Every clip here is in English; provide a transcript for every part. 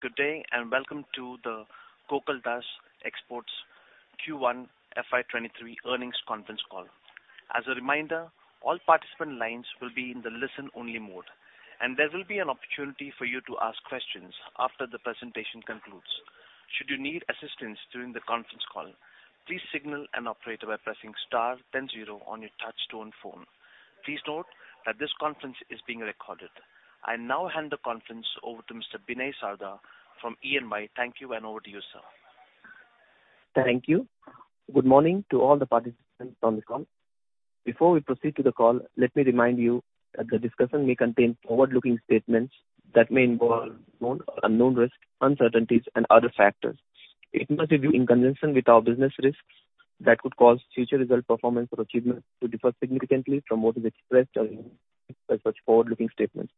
Good day and welcome to the Gokaldas Exports Q1 FY23 earnings conference call. As a reminder, all participant lines will be in the listen-only mode, and there will be an opportunity for you to ask questions after the presentation concludes. Should you need assistance during the conference call, please signal an operator by pressing star then zero on your touch-tone phone. Please note that this conference is being recorded. I now hand the conference over to Mr. Binay Sarda from E&Y. Thank you, and over to you, sir. Thank you. Good morning to all the participants on the call. Before we proceed to the call, let me remind you that the discussion may contain forward-looking statements that may involve known or unknown risks, uncertainties, and other factors. It must be viewed in conjunction with our business risks that could cause future result performance or achievements to differ significantly from what is expressed as such forward-looking statements.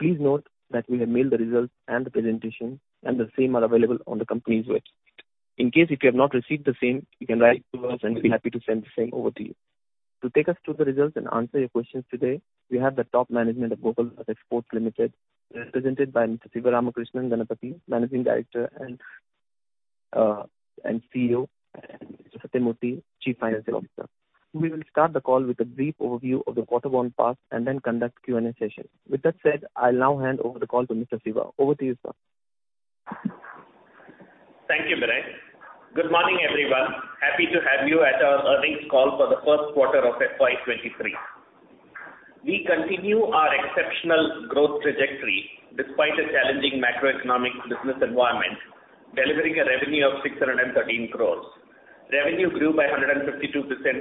Please note that we have mailed the results and the presentation, and the same are available on the company's website. In case if you have not received the same, you can write to us, and we'll be happy to send the same over to you. To take us through the results and answer your questions today, we have the top management of Gokaldas Exports Limited, represented by Mr. Sivaramakrishnan Ganapathi, Managing Director and CEO, and Mr. Sathyamurthy, Chief Financial Officer. We will start the call with a brief overview of the quarter and past and then conduct Q&A session. With that said, I'll now hand over the call to Mr. Siva. Over to you, sir. Thank you, Binay. Good morning, everyone. Happy to have you at our earnings call for the first quarter of FY23. We continue our exceptional growth trajectory despite a challenging macroeconomic business environment, delivering a revenue of 613 crores. Revenue grew by 152%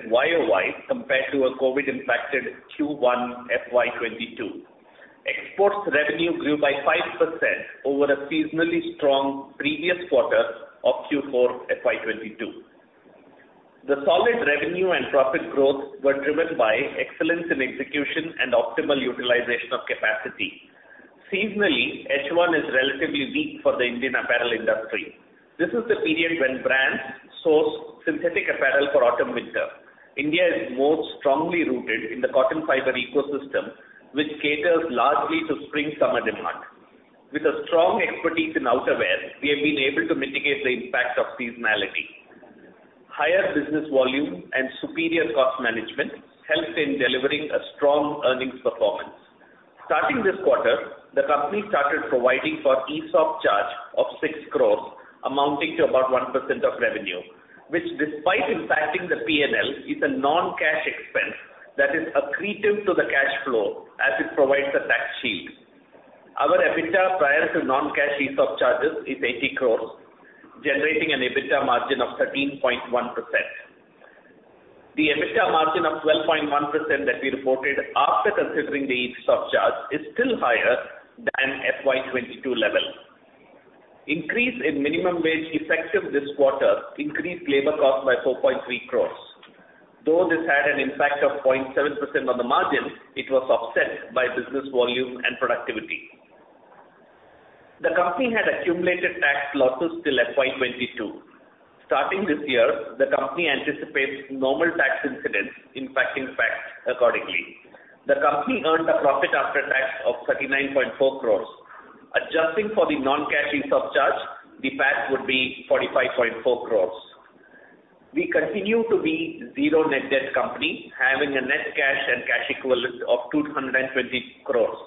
YOY compared to a COVID-impacted Q1 FY22. Exports revenue grew by 5% over a seasonally strong previous quarter of Q4 FY22. The solid revenue and profit growth were driven by excellence in execution and optimal utilization of capacity. Seasonally, H1 is relatively weak for the Indian apparel industry. This is the period when brands source synthetic apparel for autumn-winter. India is most strongly rooted in the cotton fiber ecosystem, which caters largely to spring-summer demand. With a strong expertise in outerwear, we have been able to mitigate the impact of seasonality. Higher business volume and superior cost management helped in delivering a strong earnings performance. Starting this quarter, the company started providing for ESOP charge of 6 crores, amounting to about 1% of revenue, which despite impacting the P&L is a non-cash expense that is accretive to the cash flow as it provides a tax shield. Our EBITDA prior to non-cash ESOP charges is 80 crores, generating an EBITDA margin of 13.1%. The EBITDA margin of 12.1% that we reported after considering the ESOP charge is still higher than FY22 level. Increase in minimum wage effective this quarter increased labor costs by 4.3 crores. Though this had an impact of 0.7% on the margin, it was offset by business volume and productivity. The company had accumulated tax losses till FY22. Starting this year, the company anticipates normal tax incidence impacting PAT accordingly. The company earned a profit after tax of 39.4 crores. Adjusting for the non-cash ESOP charge, the PAT would be 45.4 crores. We continue to be zero net debt company, having a net cash and cash equivalent of 220 crores.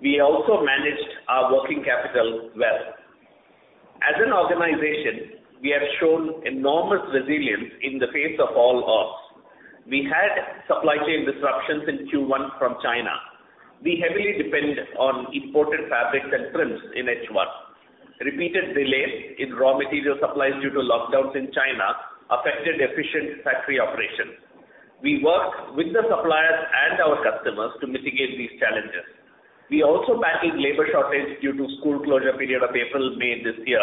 We also managed our working capital well. As an organization, we have shown enormous resilience in the face of all odds. We had supply chain disruptions in Q1 from China. We heavily depend on imported fabrics and prints in H1. Repeated delays in raw material supplies due to lockdowns in China affected efficient factory operations. We worked with the suppliers and our customers to mitigate these challenges. We also battled labor shortage due to school closure period of April, May this year,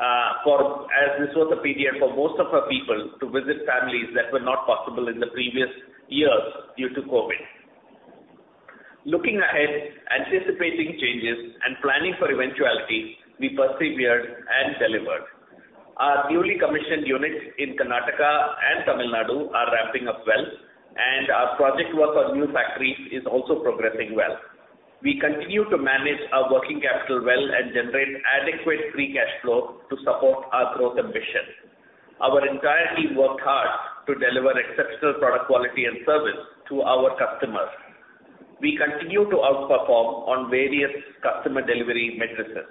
as this was a period for most of our people to visit families that were not possible in the previous years due to COVID. Looking ahead, anticipating changes and planning for eventualities, we persevered and delivered. Our newly commissioned units in Karnataka and Tamil Nadu are ramping up well, and our project work on new factories is also progressing well. We continue to manage our working capital well and generate adequate free cash flow to support our growth ambition. Our entire team worked hard to deliver exceptional product quality and service to our customers. We continue to outperform on various customer delivery metrics.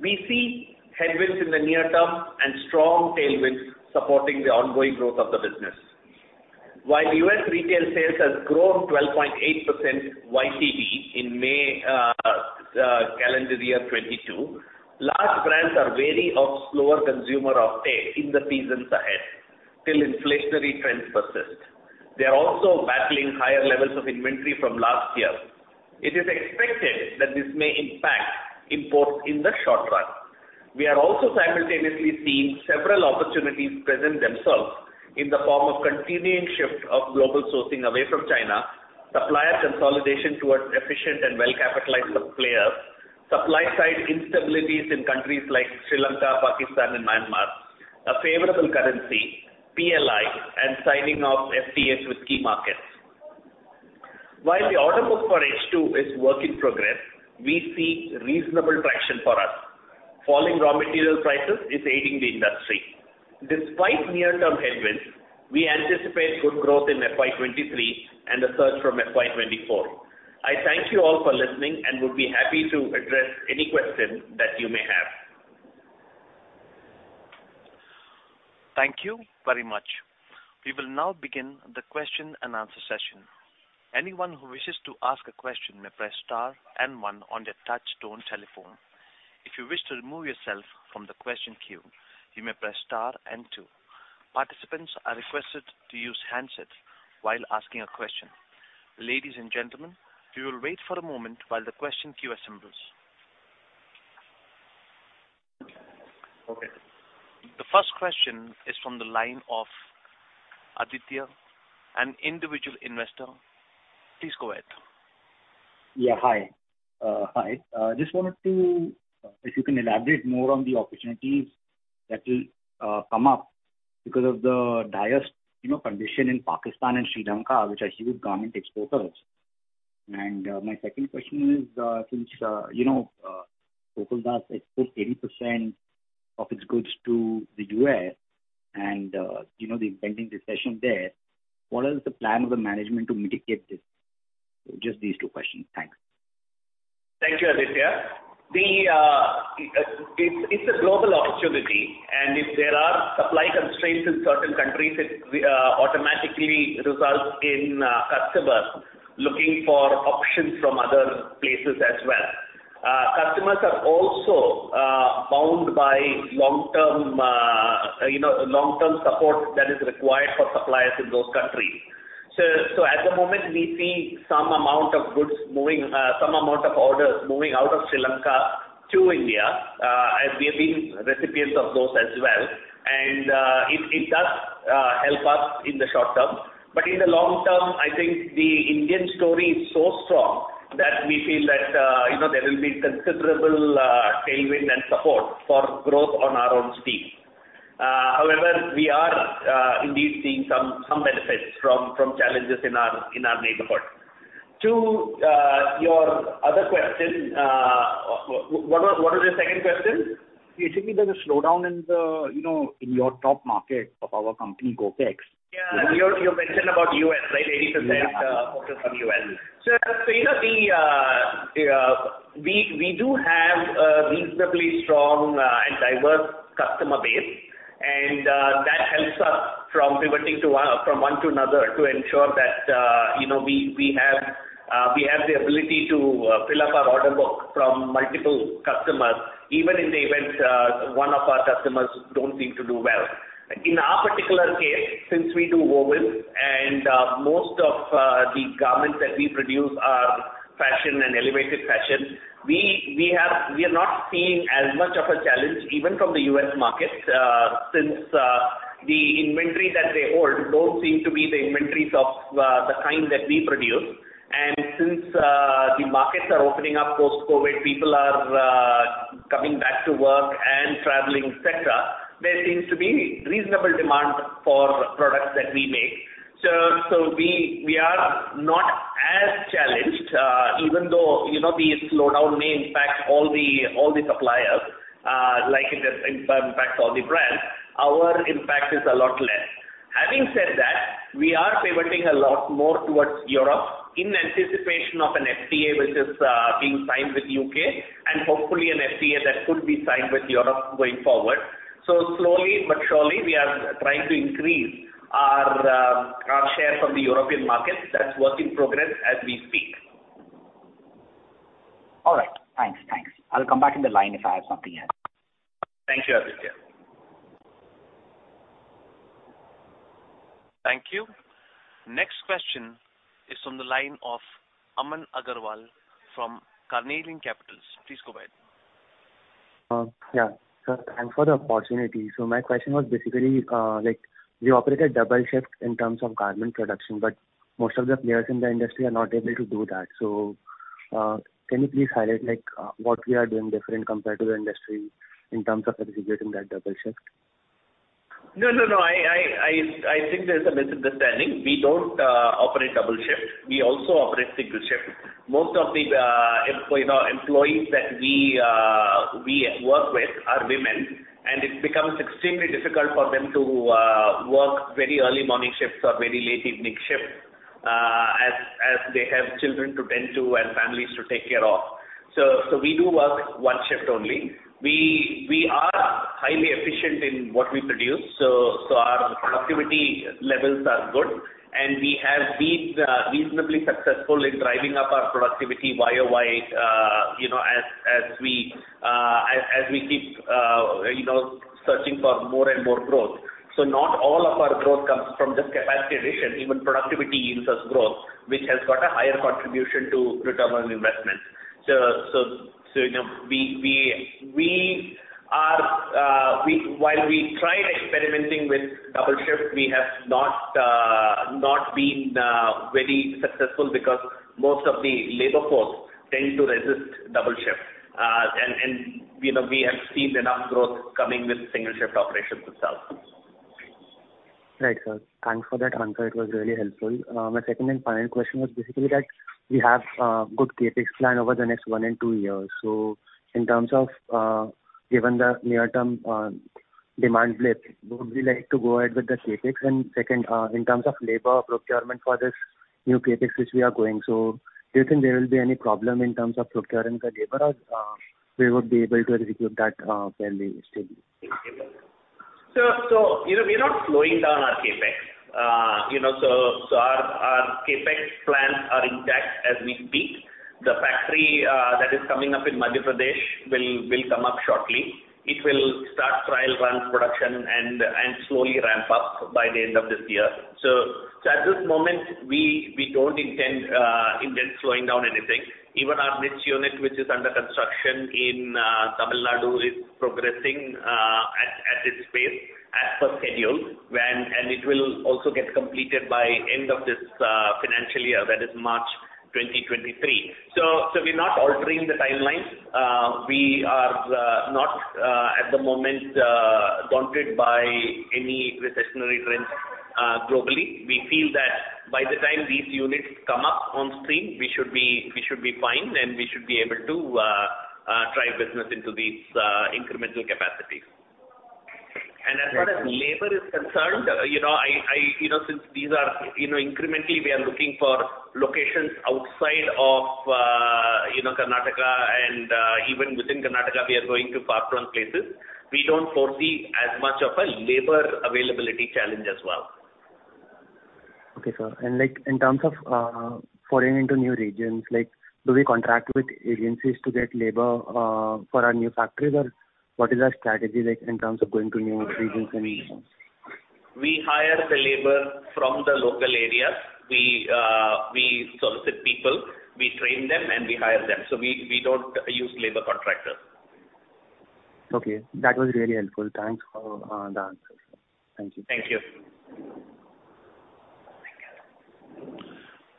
We see headwinds in the near term and strong tailwinds supporting the ongoing growth of the business. While U.S. retail sales has grown 12.8% YTD in May calendar year 2022, large brands are wary of slower consumer uptake in the seasons ahead till inflationary trends persist. They are also battling higher levels of inventory from last year. It is expected that this may impact imports in the short run. We are also simultaneously seeing several opportunities present themselves in the form of continuing shift of global sourcing away from China, supplier consolidation towards efficient and well-capitalized suppliers, supply-side instabilities in countries like Sri Lanka, Pakistan, and Myanmar, a favorable currency, PLI, and signing of FTAs with key markets. While the order book for H2 is work in progress, we see reasonable traction for us. Falling raw material prices is aiding the industry. Despite near-term headwinds, we anticipate good growth in FY23 and a surge from FY24. I thank you all for listening and would be happy to address any question that you may have. Thank you very much. We will now begin the question-and-answer session. Anyone who wishes to ask a question may press star and one on their touch-tone telephone. If you wish to remove yourself from the question queue, you may press star and two. Participants are requested to use handsets while asking a question. Ladies and gentlemen, we will wait for a moment while the question queue assembles. Okay. The first question is from the line of Aditya, an individual investor. Please go ahead. Yeah, hi. Hi. Just wanted to if you can elaborate more on the opportunities that will come up because of the dire condition in Pakistan and Sri Lanka, which are huge garment exporters. My second question is, since Gokaldas Exports 80% of its goods to the U.S. and they're pending recession there, what is the plan of the management to mitigate this? Just these two questions. Thanks. Thank you, Aditya. It's a global opportunity, and if there are supply constraints in certain countries, it automatically results in customers looking for options from other places as well. Customers are also bound by long-term support that is required for suppliers in those countries. So at the moment, we see some amount of goods moving some amount of orders moving out of Sri Lanka to India, and we have been recipients of those as well. And it does help us in the short term. But in the long term, I think the Indian story is so strong that we feel that there will be considerable tailwind and support for growth on our own street. However, we are indeed seeing some benefits from challenges in our neighborhood. To your other question, what was your second question? Basically, there's a slowdown in your top market of our company, Gokaldas Exports. Yeah. You mentioned about U.S., right? 80% focused on U.S. Yeah.So we do have a reasonably strong and diverse customer base, and that helps us from one to another to ensure that we have the ability to fill up our order book from multiple customers, even in the event one of our customers don't seem to do well. In our particular case, since we do woven and most of the garments that we produce are fashion and elevated fashion, we are not seeing as much of a challenge even from the US market since the inventory that they hold don't seem to be the inventories of the kind that we produce. And since the markets are opening up post-COVID, people are coming back to work and traveling, etc., there seems to be reasonable demand for products that we make. So we are not as challenged, even though the slowdown may impact all the suppliers like it impacts all the brands. Our impact is a lot less. Having said that, we are pivoting a lot more towards Europe in anticipation of an FTA which is being signed with the U.K. and hopefully an FTA that could be signed with Europe going forward. So slowly but surely, we are trying to increase our share from the European markets. That's work in progress as we speak. All right. Thanks. Thanks. I'll come back in the line if I have something else. Thank you, Aditya. Thank you. Next question is from the line of Aman Agarwal from Carnelian Capital. Please go ahead. Yeah. Thanks for the opportunity. My question was basically, we operate a double shift in terms of garment production, but most of the players in the industry are not able to do that. Can you please highlight what we are doing different compared to the industry in terms of executing that double shift? No, no, no. I think there's a misunderstanding. We don't operate double shift. We also operate single shift. Most of the employees that we work with are women, and it becomes extremely difficult for them to work very early morning shifts or very late evening shifts as they have children to tend to and families to take care of. So we do work one shift only. We are highly efficient in what we produce, so our productivity levels are good, and we have been reasonably successful in driving up our productivity YOY as we keep searching for more and more growth. So not all of our growth comes from just capacity addition. Even productivity yields us growth, which has got a higher contribution to return on investments. While we tried experimenting with double shift, we have not been very successful because most of the labor force tend to resist double shift. We have seen enough growth coming with single shift operations itself. Excellent. Thanks for that answer. It was really helpful. My second and final question was basically that CapEx. Our CapEx plans are intact as we speak. The factory that is coming up in Madhya Pradesh will come up shortly. It will start trial-run production and slowly ramp up by the end of this year. At this moment, we don't intend slowing down anything. Even our PM MITRA unit, which is under construction in Tamil Nadu, is progressing at its pace as per schedule, and it will also get completed by end of this financial year, that is March 2023. We're not altering the timelines. We are not, at the moment, daunted by any recessionary trends globally. We feel that by the time these units come up on stream, we should be fine, and we should be able to drive business into these incremental capacities. As far as labor is concerned, since these are incrementally, we are looking for locations outside of Karnataka, and even within Karnataka, we are going to far-front places. We don't foresee as much of a labor availability challenge as well. Okay, sir. In terms of venturing into new regions, do we contract with agencies to get labor for our new factories, or what is our strategy in terms of going to new regions and? We hire the labor from the local areas. We solicit people. We train them, and we hire them. So we don't use labor contractors. Okay. That was really helpful. Thanks for the answers. Thank you. Thank you.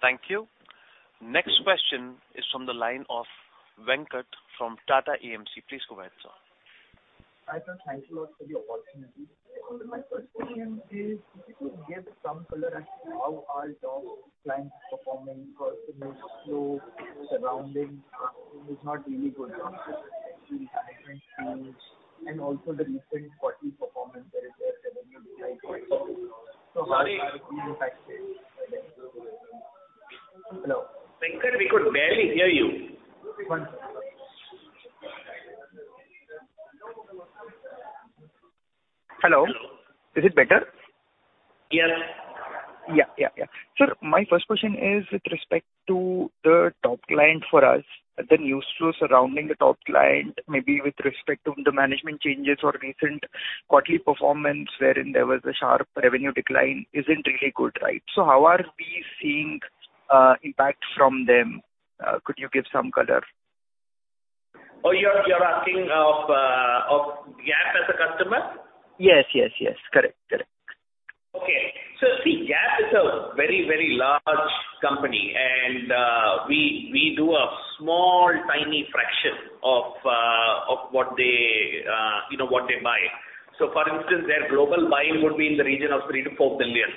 Thank you. Next question is from the line of Venkat from Tata Asset Management. Please go ahead, sir. Hi, sir. Thank you for the opportunity. My first question is, if you could give some color as to how are your clients performing for FY24. It's slow. The run rate is not really good. And also the recent quarterly performance, that is, their revenue decline. So how are we impacted by that? Hello? Venkat, we could barely hear you. One second. Hello. Hello. Is it better? Yes. Yeah, yeah, yeah. Sir, my first question is with respect to the top client for us, the news flow surrounding the top client, maybe with respect to the management changes or recent quarterly performance wherein there was a sharp revenue decline, isn't really good, right? So how are we seeing impact from them? Could you give some color? Oh, you're asking about Gap as a customer? Yes, yes, yes. Correct, correct. Okay. So see, Gap is a very, very large company, and we do a small, tiny fraction of what they buy. So for instance, their global buying would be in the region of $3 billion-$4 billion,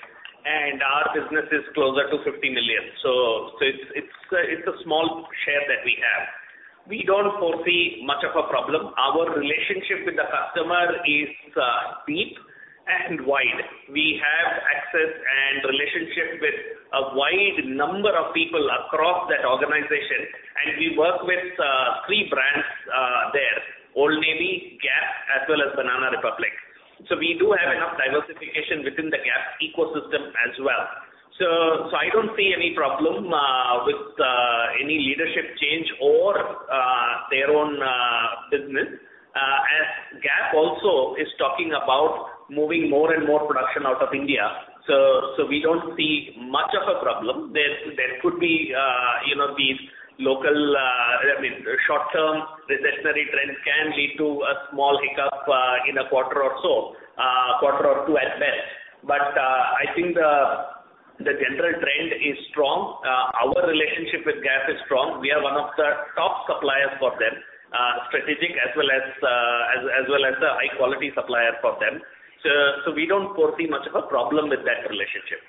and our business is closer to $50 million. So it's a small share that we have. We don't foresee much of a problem. Our relationship with the customer is deep and wide. We have access and relationship with a wide number of people across that organization, and we work with three brands there: Old Navy, Gap, as well as Banana Republic. So we do have enough diversification within the Gap ecosystem as well. So I don't see any problem with any leadership change or their own business, as Gap also is talking about moving more and more production out of India. So we don't see much of a problem. There could be these local, I mean, short-term recessionary trends can lead to a small hiccup in a quarter or so, quarter or two at best. But I think the general trend is strong. Our relationship with Gap is strong. We are one of the top suppliers for them, strategic as well as a high-quality supplier for them. So we don't foresee much of a problem with that relationship.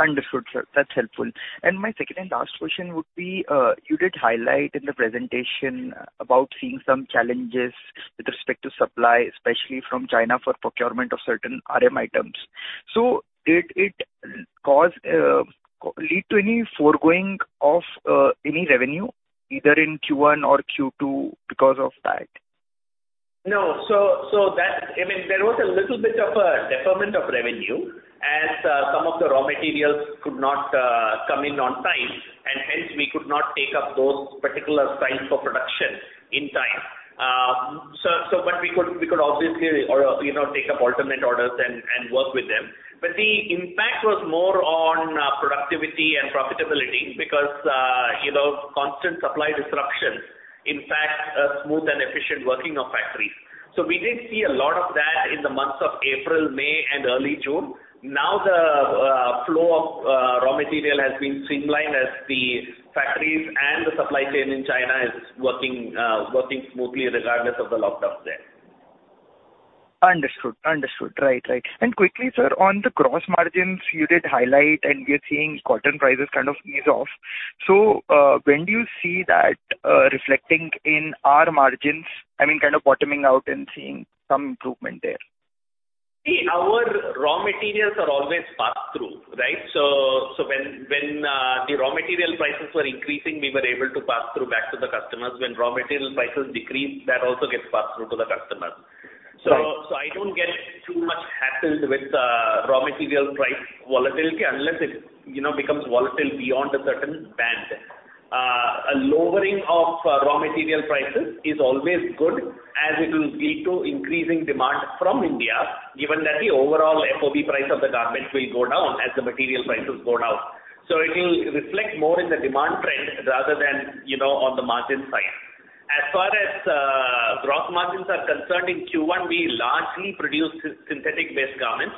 Understood, sir. That's helpful. And my second and last question would be, you did highlight in the presentation about seeing some challenges with respect to supply, especially from China for procurement of certain RM items. So did it lead to any forgoing of any revenue either in Q1 or Q2 because of that? No. So I mean, there was a little bit of a deferment of revenue as some of the raw materials could not come in on time, and hence, we could not take up those particular sites for production in time. But we could obviously take up alternate orders and work with them. But the impact was more on productivity and profitability because constant supply disruptions impact smooth and efficient working of factories. So we did see a lot of that in the months of April, May, and early June. Now, the flow of raw material has been streamlined as the factories and the supply chain in China is working smoothly regardless of the lockdowns there. Understood, understood. Right, right. And quickly, sir, on the gross margins, you did highlight, and we are seeing cotton prices kind of ease off. So when do you see that reflecting in our margins? I mean, kind of bottoming out and seeing some improvement there? See, our raw materials are always pass-through, right? So when the raw material prices were increasing, we were able to pass through back to the customers. When raw material prices decrease, that also gets passed through to the customers. So I don't get too much hassled with raw material price volatility unless it becomes volatile beyond a certain band. A lowering of raw material prices is always good as it will lead to increasing demand from India, given that the overall FOB price of the garment will go down as the material prices go down. So it will reflect more in the demand trend rather than on the margin side. As far as gross margins are concerned, in Q1, we largely produce synthetic-based garments.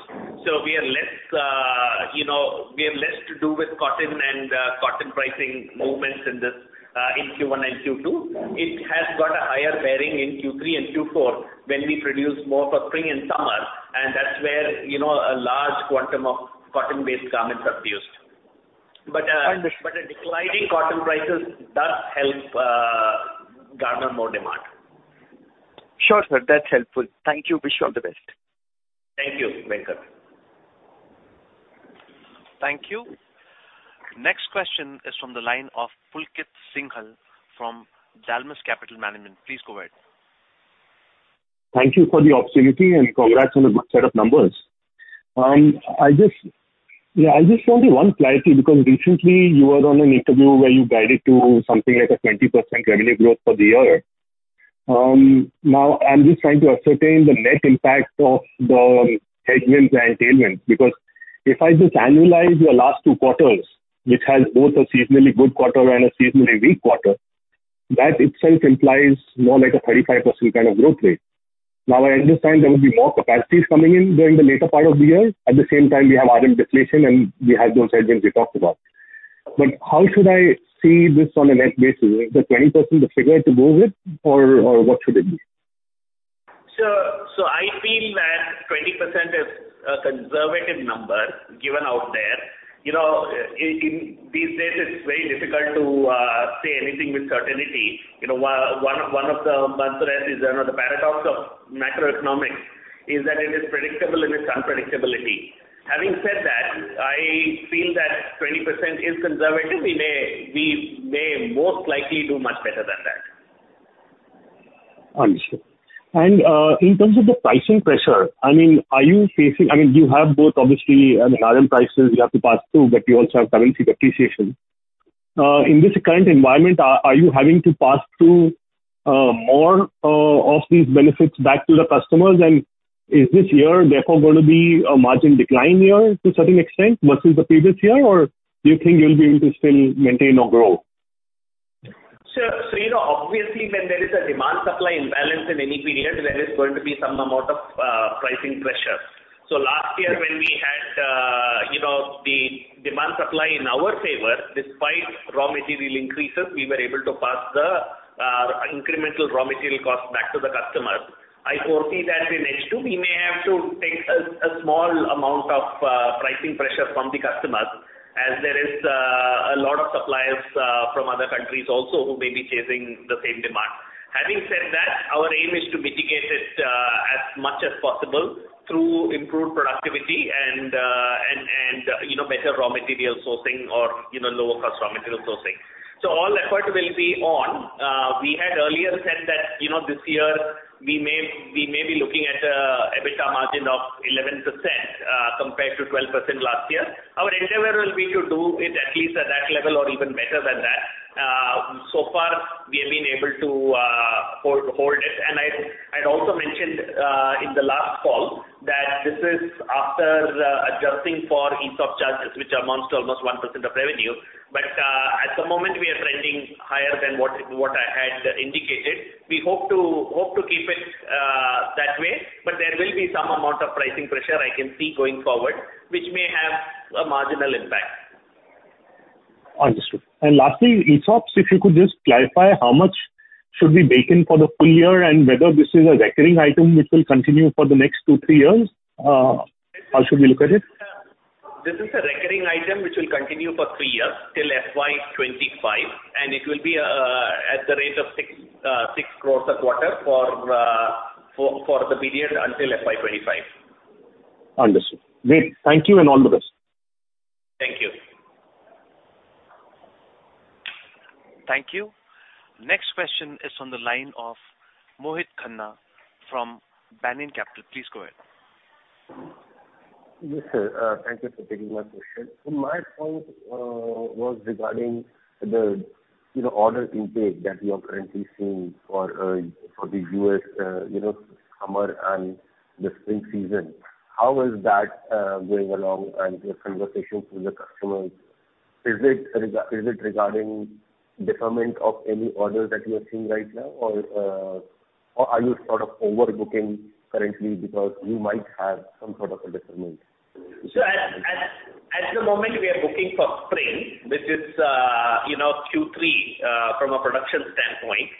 We have less to do with cotton and cotton pricing movements in Q1 and Q2. It has got a higher bearing in Q3 and Q4 when we produce more for spring and summer, and that's where a large quantum of cotton-based garments are produced. But declining cotton prices do help garner more demand. Sure, sir. That's helpful. Thank you. Wish you all the best. Thank you, Venkat. Thank you. Next question is from the line of Pulkit Singhal from Dalmus Capital Management. Please go ahead. Thank you for the opportunity, and congrats on a good set of numbers. I just wanted one clarity because recently, you were on an interview where you guided to something like a 20% revenue growth for the year. Now, I'm just trying to ascertain the net impact of the headwinds and tailwinds because if I just annualize your last two quarters, which has both a seasonally good quarter and a seasonally weak quarter, that itself implies more like a 35% kind of growth rate. Now, I understand there will be more capacities coming in during the later part of the year. At the same time, we have RM deflation, and we have those headwinds we talked about. But how should I see this on a net basis? Is it the 20% figure to go with, or what should it be? So I feel that 20% is a conservative number given out there. In these days, it's very difficult to say anything with certainty. One of the mantras is the paradox of macroeconomics is that it is predictable and its unpredictability. Having said that, I feel that 20% is conservative. We may most likely do much better than that. Understood. And in terms of the pricing pressure, I mean, are you facing I mean, you have both, obviously, I mean, RM prices, you have to pass through, but you also have currency depreciation. In this current environment, are you having to pass through more of these benefits back to the customers, and is this year, therefore, going to be a margin decline year to a certain extent versus the previous year, or do you think you'll be able to still maintain or grow? So obviously, when there is a demand-supply imbalance in any period, there is going to be some amount of pricing pressure. So last year, when we had the demand-supply in our favor, despite raw material increases, we were able to pass the incremental raw material cost back to the customers. I foresee that in H2, we may have to take a small amount of pricing pressure from the customers as there is a lot of suppliers from other countries also who may be chasing the same demand. Having said that, our aim is to mitigate it as much as possible through improved productivity and better raw material sourcing or lower-cost raw material sourcing. So all effort will be on. We had earlier said that this year, we may be looking at an EBITDA margin of 11% compared to 12% last year. Our endeavor will be to do it at least at that level or even better than that. So far, we have been able to hold it. I had also mentioned in the last call that this is after adjusting for ESOP charges, which amounts to almost 1% of revenue. At the moment, we are trending higher than what I had indicated. We hope to keep it that way, but there will be some amount of pricing pressure I can see going forward, which may have a marginal impact. Understood. And lastly, ESOPs, if you could just clarify, how much should we bake in for the full year and whether this is a recurring item which will continue for the next two, three years, or should we look at it? This is a recurring item which will continue for 3 years till FY25, and it will be at the rate of 6 crores a quarter for the period until FY25. Understood. Great. Thank you and all the best. Thank you. Thank you. Next question is from the line of Mohit Khanna from Banyan Capital. Please go ahead. Yes, sir. Thank you for taking my question. So my point was regarding the order intake that we are currently seeing for the U.S. summer and the spring season. How is that going along and your conversations with the customers? Is it regarding deferment of any orders that you are seeing right now, or are you sort of overbooking currently because you might have some sort of a deferment? So at the moment, we are booking for spring, which is Q3 from a production standpoint.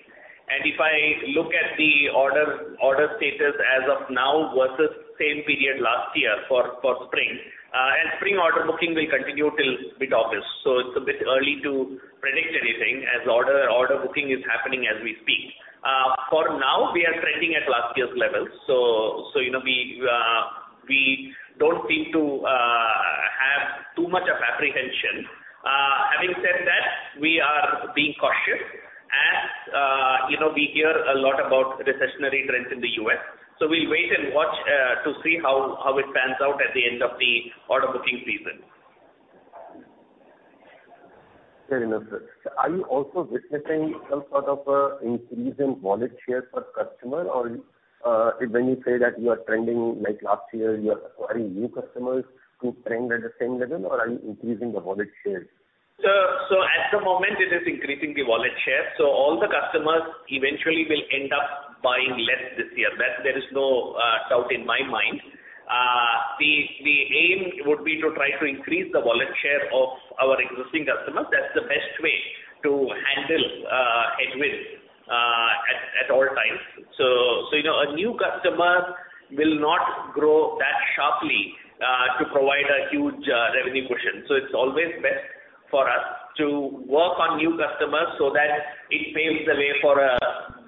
And if I look at the order status as of now versus same period last year for spring, and spring order booking will continue till mid-August, so it's a bit early to predict anything as order booking is happening as we speak. For now, we are trending at last year's levels, so we don't seem to have too much of apprehension. Having said that, we are being cautious as we hear a lot about recessionary trends in the U.S. So we'll wait and watch to see how it pans out at the end of the order booking season. Very nice, sir. So are you also witnessing some sort of increase in wallet share per customer, or when you say that you are trending like last year, you are acquiring new customers who trend at the same level, or are you increasing the wallet share? So at the moment, it is increasing the wallet share. So all the customers eventually will end up buying less this year. There is no doubt in my mind. The aim would be to try to increase the wallet share of our existing customers. That's the best way to handle headwinds at all times. So a new customer will not grow that sharply to provide a huge revenue cushion. So it's always best for us to work on new customers so that it paves the way for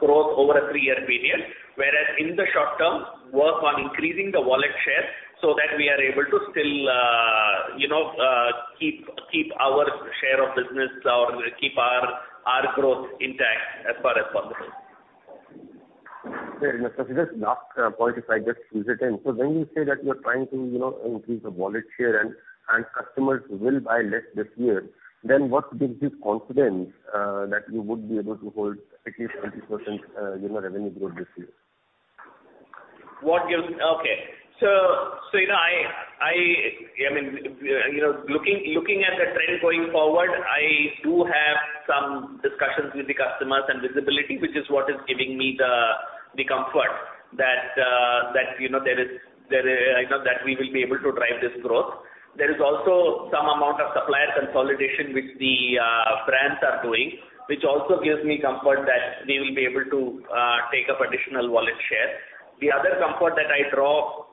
growth over a three-year period, whereas in the short term, work on increasing the wallet share so that we are able to still keep our share of business or keep our growth intact as far as possible. Very nice, sir. So just last point if I just use it. So when you say that you are trying to increase the wallet share and customers will buy less this year, then what gives you confidence that you would be able to hold at least 20% revenue growth this year? Okay. So I mean, looking at the trend going forward, I do have some discussions with the customers and visibility, which is what is giving me the comfort that there is that we will be able to drive this growth. There is also some amount of supplier consolidation, which the brands are doing, which also gives me comfort that we will be able to take up additional wallet share. The other comfort that I draw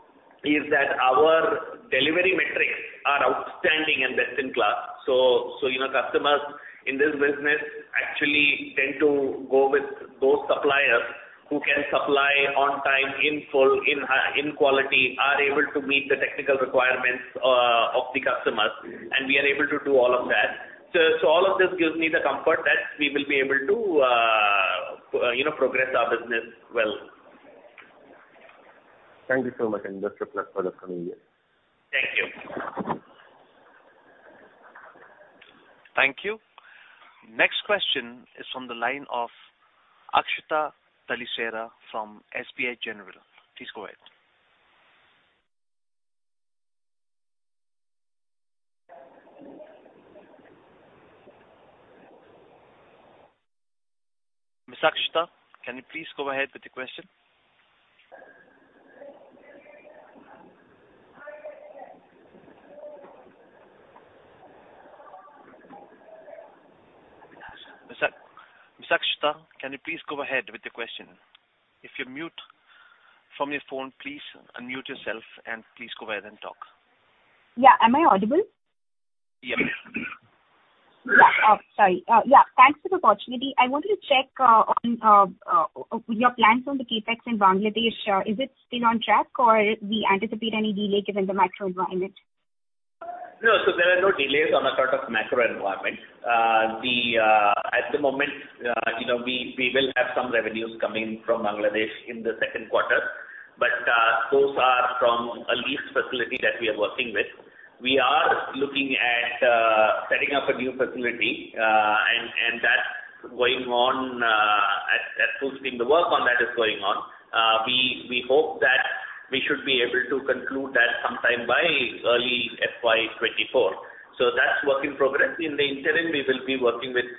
is that our delivery metrics are outstanding and best-in-class. So customers in this business actually tend to go with those suppliers who can supply on time, in full, in quality, are able to meet the technical requirements of the customers, and we are able to do all of that. So all of this gives me the comfort that we will be able to progress our business well. Thank you so much, and just a pleasure for us coming here. Thank you. Thank you. Next question is from the line of Akshita Talesara from SBI General. Please go ahead. Miss Akshita, can you please go ahead with your question? Miss Akshita, can you please go ahead with your question? If you're mute from your phone, please unmute yourself and please go ahead and talk. Yeah. Am I audible? Yep. Yeah. Sorry. Yeah. Thanks for the opportunity. I wanted to check on your plans on the CapEx in Bangladesh. Is it still on track, or we anticipate any delay given the macro environment? No, so there are no delays on a sort of macro environment. At the moment, we will have some revenues coming from Bangladesh in the second quarter, but those are from a leased facility that we are working with. We are looking at setting up a new facility, and that's going on at full speed. The work on that is going on. We hope that we should be able to conclude that sometime by early FY2024. So that's work in progress. In the interim, we will be working with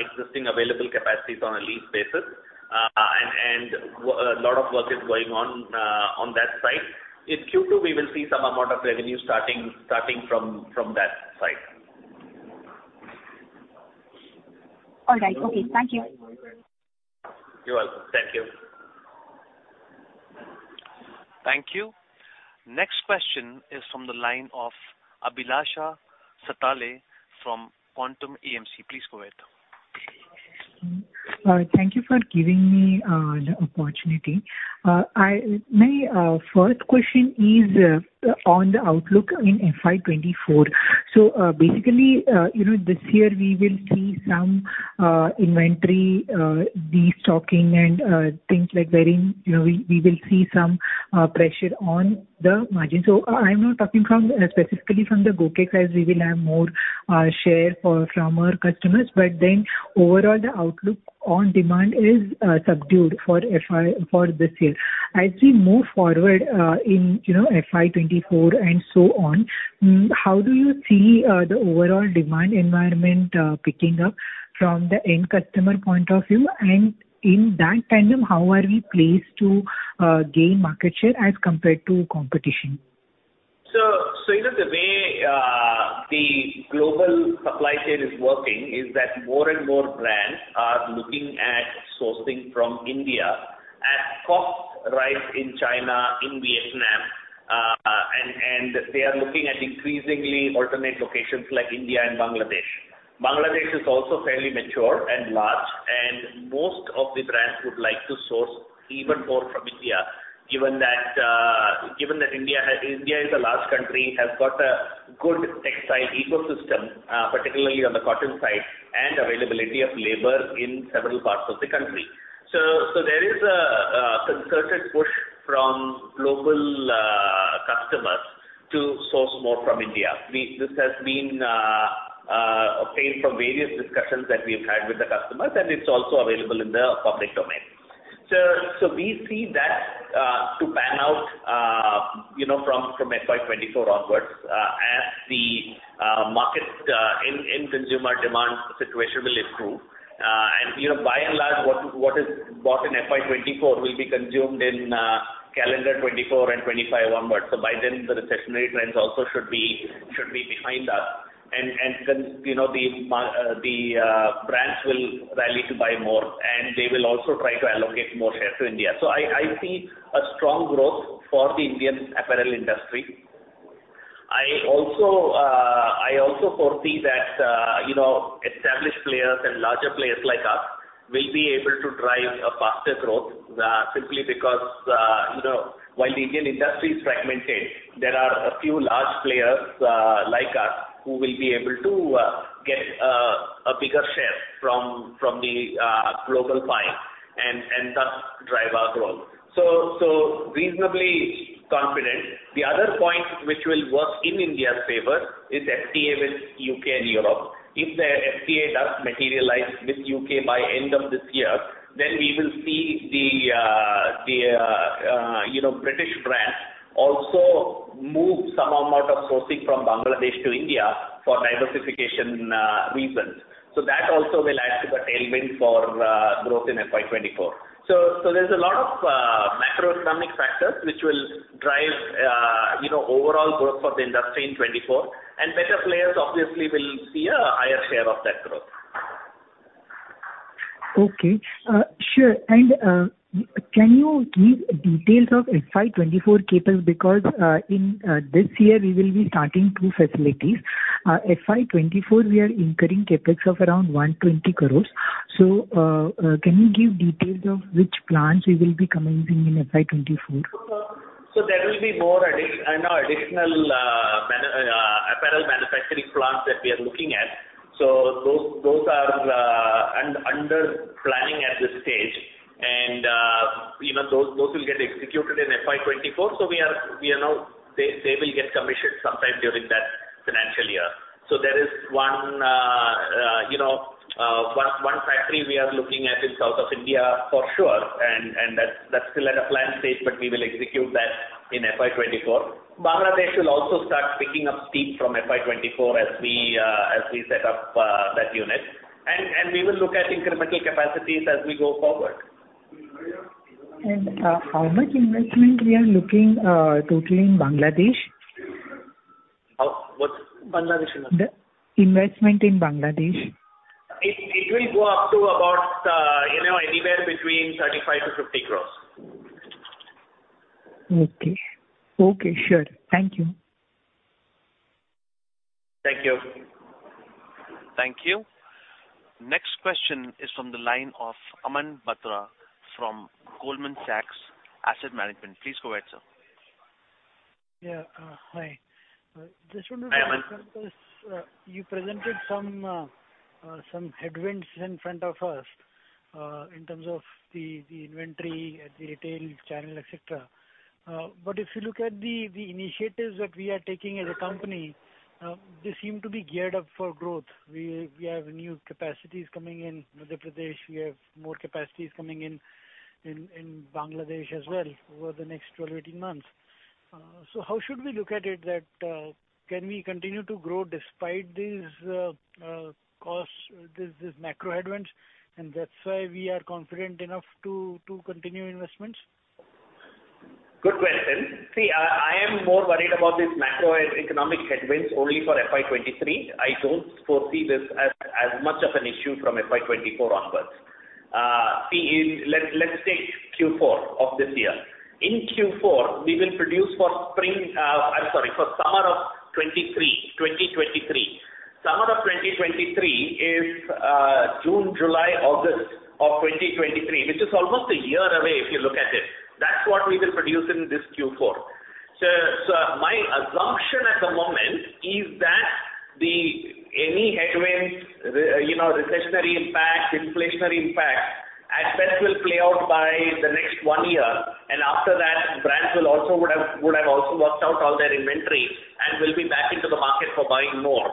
existing available capacities on a leased basis, and a lot of work is going on on that side. In Q2, we will see some amount of revenue starting from that side. All right. Okay. Thank you. You're welcome. Thank you. Thank you. Next question is from the line of Abhilasha Satale from Quantum Asset Management. Please go ahead. Thank you for giving me the opportunity. My first question is on the outlook in FY24. So basically, this year, we will see some inventory restocking and things like wearing. We will see some pressure on the margin. So I am not talking specifically from the GOKEX as we will have more share from our customers, but then overall, the outlook on demand is subdued for this year. As we move forward in FY24 and so on, how do you see the overall demand environment picking up from the end customer point of view? And in that tandem, how are we placed to gain market share as compared to competition? So the way the global supply chain is working is that more and more brands are looking at sourcing from India as costs rise in China, in Vietnam, and they are looking at increasingly alternate locations like India and Bangladesh. Bangladesh is also fairly mature and large, and most of the brands would like to source even more from India given that India is a large country, has got a good textile ecosystem, particularly on the cotton side, and availability of labor in several parts of the country. So there is a concerted push from global customers to source more from India. This has been obtained from various discussions that we have had with the customers, and it's also available in the public domain. So we see that to pan out from FY2024 onwards as the market end consumer demand situation will improve. By and large, what is bought in FY24 will be consumed in calendar 2024 and 2025 onwards. So by then, the recessionary trends also should be behind us, and the brands will rally to buy more, and they will also try to allocate more share to India. So I see a strong growth for the Indian apparel industry. I also foresee that established players and larger players like us will be able to drive faster growth simply because while the Indian industry is fragmented, there are a few large players like us who will be able to get a bigger share from the global pile and thus drive our growth. So reasonably confident. The other point which will work in India's favor is FTA with UK and Europe. If the FTA does materialize with U.K. by end of this year, then we will see the British brands also move some amount of sourcing from Bangladesh to India for diversification reasons. So that also will add to the tailwind for growth in FY 2024. So there's a lot of macroeconomic factors which will drive overall growth for the industry in 2024, and better players, obviously, will see a higher share of that growth. Okay. Sure. And can you give details of FY24 CapEx because in this year, we will be starting two facilities. FY24, we are incurring CapEx of around 120 crores. So can you give details of which plants we will be commencing in FY24? So there will be more additional apparel manufacturing plants that we are looking at. So those are under planning at this stage, and those will get executed in FY2024. So now they will get commissioned sometime during that financial year. So there is one factory we are looking at in south of India for sure, and that's still at a plan stage, but we will execute that in FY2024. Bangladesh will also start picking up steam from FY2024 as we set up that unit, and we will look at incremental capacities as we go forward. How much investment we are looking totally in Bangladesh? What's Bangladesh investment? Investment in Bangladesh. It will go up to about anywhere between 35 crore-50 crore. Okay. Okay. Sure. Thank you. Thank you. Thank you. Next question is from the line of Aman Batra from Goldman Sachs Asset Management. Please go ahead, sir. Yeah. Hi. Just wanted to. Hi, Aman. To confirm this, you presented some headwinds in front of us in terms of the inventory at the retail channel, etc. But if you look at the initiatives that we are taking as a company, they seem to be geared up for growth. We have new capacities coming in Madhya Pradesh. We have more capacities coming in Bangladesh as well over the next 12-18 months. So how should we look at it that can we continue to grow despite these macro headwinds, and that's why we are confident enough to continue investments? Good question. See, I am more worried about these macroeconomic headwinds only for FY23. I don't foresee this as much of an issue from FY24 onwards. See, let's take Q4 of this year. In Q4, we will produce for spring, I'm sorry, for summer of 2023, 2023. Summer of 2023 is June, July, August of 2023, which is almost a year away if you look at it. That's what we will produce in this Q4. So my assumption at the moment is that any headwinds, recessionary impacts, inflationary impacts, at best will play out by the next one year, and after that, brands will also would have also worked out all their inventory and will be back into the market for buying more.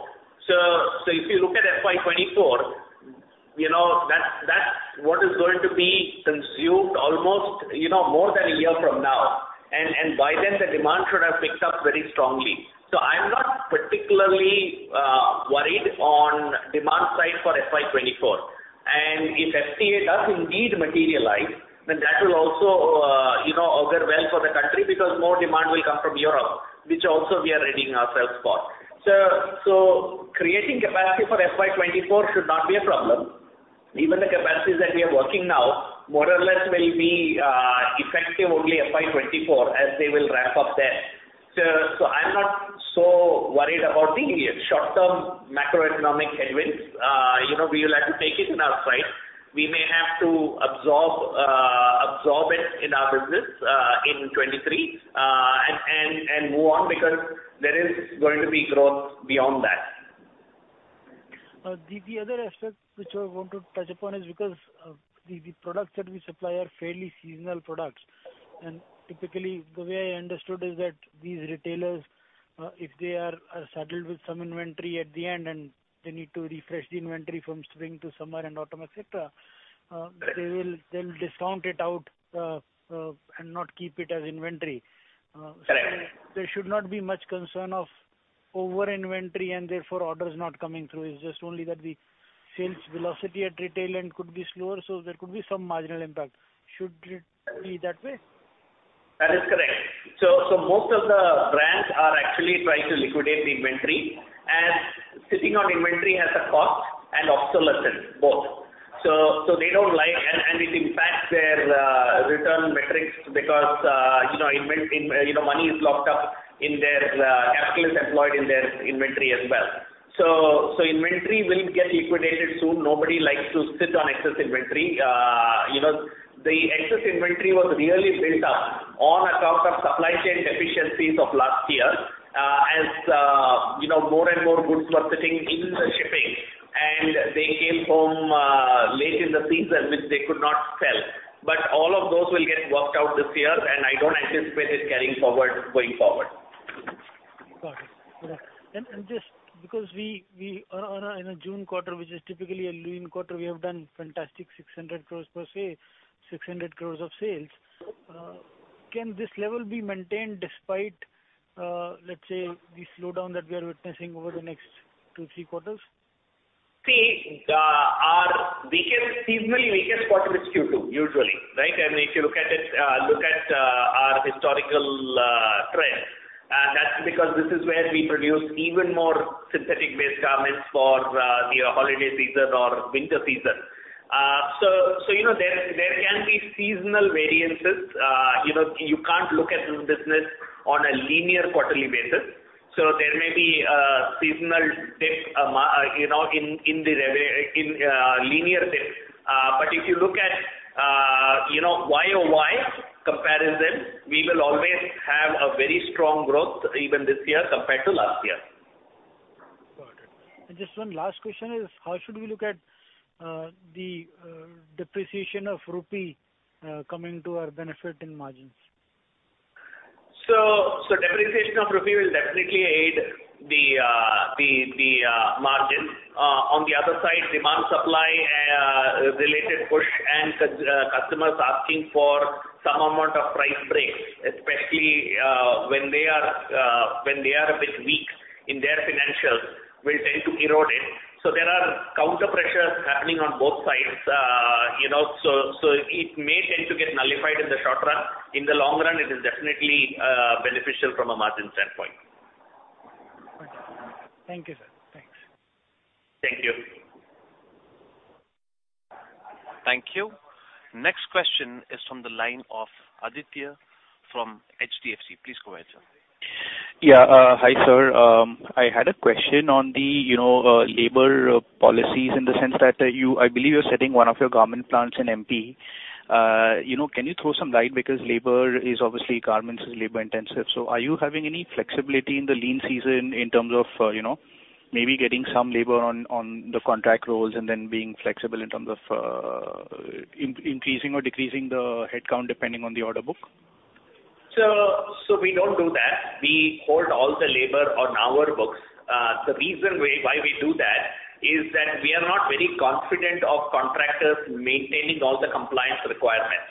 If you look at FY24, that's what is going to be consumed almost more than a year from now, and by then, the demand should have picked up very strongly. I'm not particularly worried on demand side for FY24. If FTA does indeed materialize, then that will also augur well for the country because more demand will come from Europe, which also we are readying ourselves for. Creating capacity for FY24 should not be a problem. Even the capacities that we are working now, more or less, will be effective only FY24 as they will ramp up then. I'm not so worried about the short-term macroeconomic headwinds. We will have to take it in our stride. We may have to absorb it in our business in 2023 and move on because there is going to be growth beyond that. The other aspect which I want to touch upon is because the products that we supply are fairly seasonal products. Typically, the way I understood is that these retailers, if they are saddled with some inventory at the end and they need to refresh the inventory from spring to summer and autumn, etc., they will discount it out and not keep it as inventory. There should not be much concern of overinventory and therefore orders not coming through. It's just only that the sales velocity at retail end could be slower, so there could be some marginal impact. Should it be that way? That is correct. So most of the brands are actually trying to liquidate the inventory, and sitting on inventory has a cost and obsolescence, both. So they don't like, and it impacts their return metrics because money is locked up in their capital is employed in their inventory as well. So inventory will get liquidated soon. Nobody likes to sit on excess inventory. The excess inventory was really built up on account of supply chain deficiencies of last year as more and more goods were sitting in the shipping, and they came home late in the season, which they could not sell. But all of those will get worked out this year, and I don't anticipate it carrying forward going forward. Got it. Okay. And just because we are in a June quarter, which is typically a lean quarter, we have done fantastic 600 crores per sale, 600 crores of sales. Can this level be maintained despite, let's say, the slowdown that we are witnessing over the next two, three quarters? See, our seasonally weakest quarter is Q2 usually, right? If you look at our historical trend, that's because this is where we produce even more synthetic-based garments for the holiday season or winter season. There can be seasonal variances. You can't look at this business on a linear quarterly basis. There may be a seasonal dip in the linear dip. But if you look at YOY comparison, we will always have a very strong growth even this year compared to last year. Got it. Just one last question is, how should we look at the depreciation of rupee coming to our benefit in margins? So depreciation of rupee will definitely aid the margins. On the other side, demand-supply-related push and customers asking for some amount of price breaks, especially when they are a bit weak in their financials, will tend to erode it. So there are counterpressures happening on both sides. So it may tend to get nullified in the short run. In the long run, it is definitely beneficial from a margin standpoint. Thank you, sir. Thanks. Thank you. Thank you. Next question is from the line of Aditya from HDFC. Please go ahead, sir. Yeah. Hi, sir. I had a question on the labor policies in the sense that I believe you're setting one of your garment plants in MP. Can you throw some light because garments is labor-intensive? So are you having any flexibility in the lean season in terms of maybe getting some labor on the contract roles and then being flexible in terms of increasing or decreasing the headcount depending on the order book? We don't do that. We hold all the labor on our books. The reason why we do that is that we are not very confident of contractors maintaining all the compliance requirements.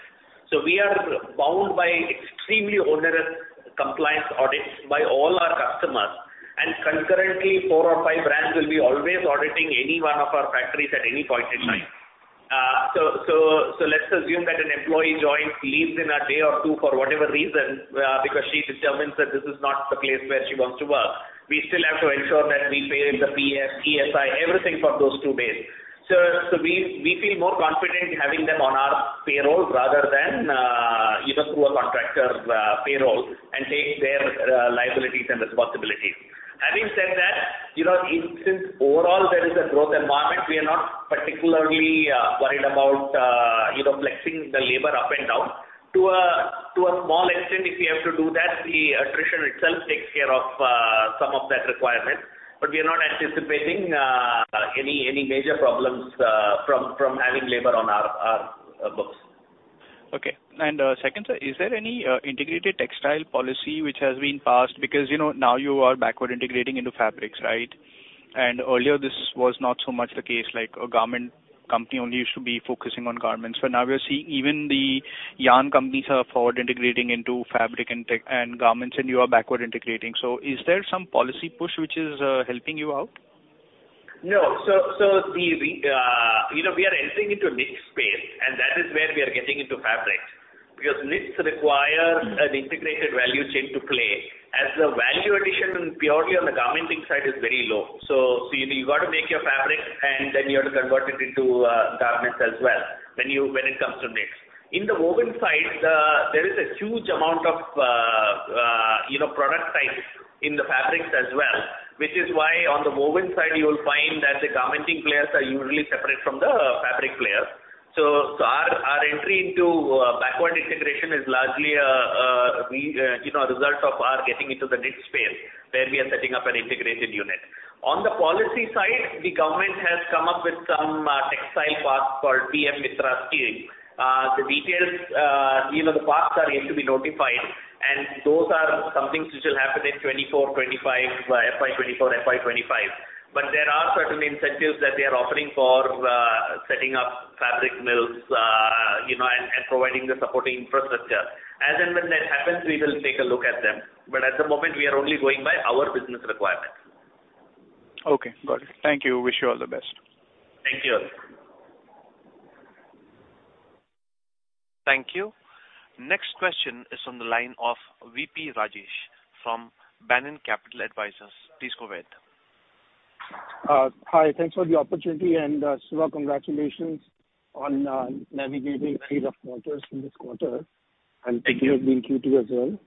We are bound by extremely onerous compliance audits by all our customers. And concurrently, four or five brands will be always auditing any one of our factories at any point in time. Let's assume that an employee joins, leaves in a day or two for whatever reason because she determines that this is not the place where she wants to work. We still have to ensure that we pay the ESI, everything for those two days. We feel more confident having them on our payroll rather than through a contractor payroll and take their liabilities and responsibilities. Having said that, since overall there is a growth environment, we are not particularly worried about flexing the labor up and down. To a small extent, if we have to do that, the attrition itself takes care of some of that requirement. But we are not anticipating any major problems from having labor on our books. Okay. And second, sir, is there any integrated textile policy which has been passed? Because now you are backward integrating into fabrics, right? And earlier, this was not so much the case. A garment company only used to be focusing on garments. But now we are seeing even the yarn companies are forward integrating into fabric and garments, and you are backward integrating. So is there some policy push which is helping you out? No. So we are entering into a knit space, and that is where we are getting into fabrics because knits require an integrated value chain to play as the value addition purely on the garmenting side is very low. So you've got to make your fabric, and then you have to convert it into garments as well when it comes to knits. In the woven side, there is a huge amount of product types in the fabrics as well, which is why on the woven side, you will find that the garmenting players are usually separate from the fabric players. So our entry into backward integration is largely a result of our getting into the knit space where we are setting up an integrated unit. On the policy side, the government has come up with some textile parks called PM MITRA scheme. The details, the paths are yet to be notified, and those are some things which will happen in FY24, FY25. But there are certain incentives that they are offering for setting up fabric mills and providing the supporting infrastructure. As and when that happens, we will take a look at them. But at the moment, we are only going by our business requirements. Okay. Got it. Thank you. Wish you all the best. Thank you. Thank you. Next question is from the line of VP Rajesh from Banyan Capital Advisors. Please go ahead. Hi. Thanks for the opportunity, and super congratulations on navigating many rough quarters in this quarter. And thank you. Thank you for being Q2 as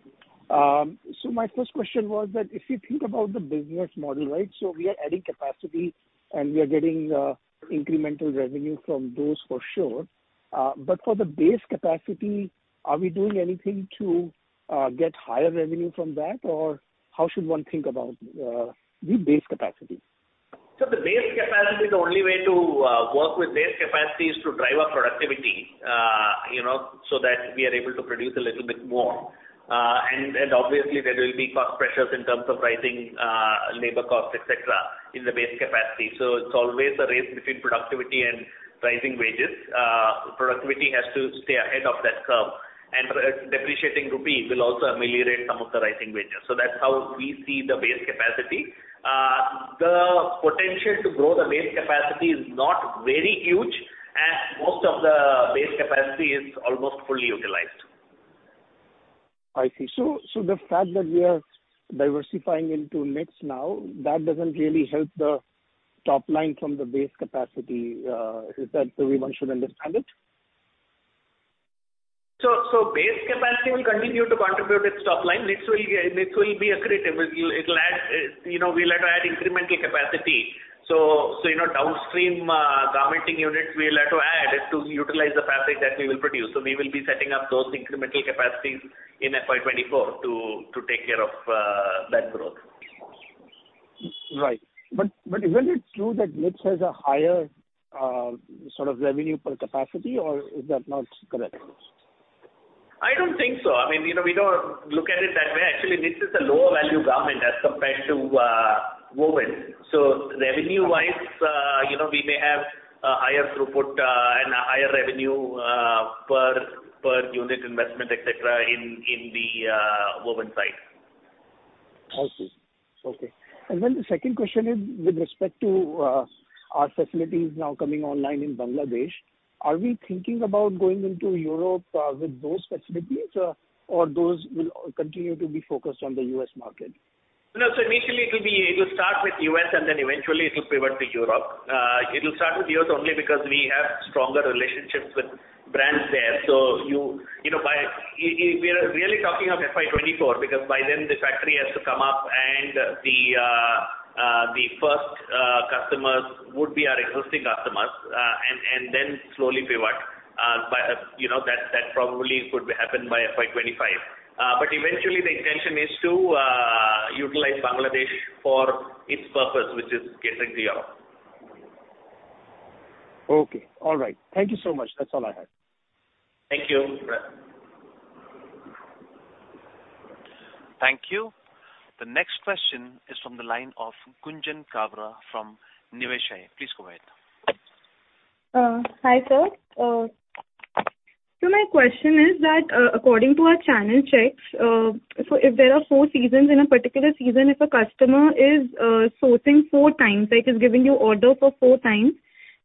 well. So my first question was that if you think about the business model, right, so we are adding capacity, and we are getting incremental revenue from those for sure. But for the base capacity, are we doing anything to get higher revenue from that, or how should one think about the base capacity? So the base capacity, the only way to work with base capacity is to drive up productivity so that we are able to produce a little bit more. And obviously, there will be cost pressures in terms of rising labor costs, etc., in the base capacity. So it's always a race between productivity and rising wages. Productivity has to stay ahead of that curve. And depreciating rupee will also ameliorate some of the rising wages. So that's how we see the base capacity. The potential to grow the base capacity is not very huge, and most of the base capacity is almost fully utilized. I see. So the fact that we are diversifying into knits now, that doesn't really help the top line from the base capacity. Is that the way one should understand it? Base capacity will continue to contribute its top line. Knits will be accretive. It'll add. We'll have to add incremental capacity. So downstream garmenting units, we'll have to add to utilize the fabric that we will produce. So we will be setting up those incremental capacities in FY 2024 to take care of that growth. Right. But isn't it true that knits has a higher sort of revenue per capacity, or is that not correct? I don't think so. I mean, we don't look at it that way. Actually, knits is a lower-value garment as compared to woven. So revenue-wise, we may have a higher throughput and a higher revenue per unit investment, etc., in the woven side. I see. Okay. Then the second question is, with respect to our facilities now coming online in Bangladesh, are we thinking about going into Europe with those facilities, or those will continue to be focused on the U.S. market? No. So initially, it will start with U.S., and then eventually, it'll pivot to Europe. It'll start with U.S. only because we have stronger relationships with brands there. So we are really talking of FY 2024 because by then, the factory has to come up, and the first customers would be our existing customers and then slowly pivot. That probably could happen by FY 2025. But eventually, the intention is to utilize Bangladesh for its purpose, which is catering to Europe. Okay. All right. Thank you so much. That's all I had. Thank you. Thank you. The next question is from the line of Kunjan Kabra from Niveshaay. Please go ahead. Hi, sir. My question is that according to our channel checks, if there are four seasons, in a particular season, if a customer is sourcing four times, is giving you order for four times,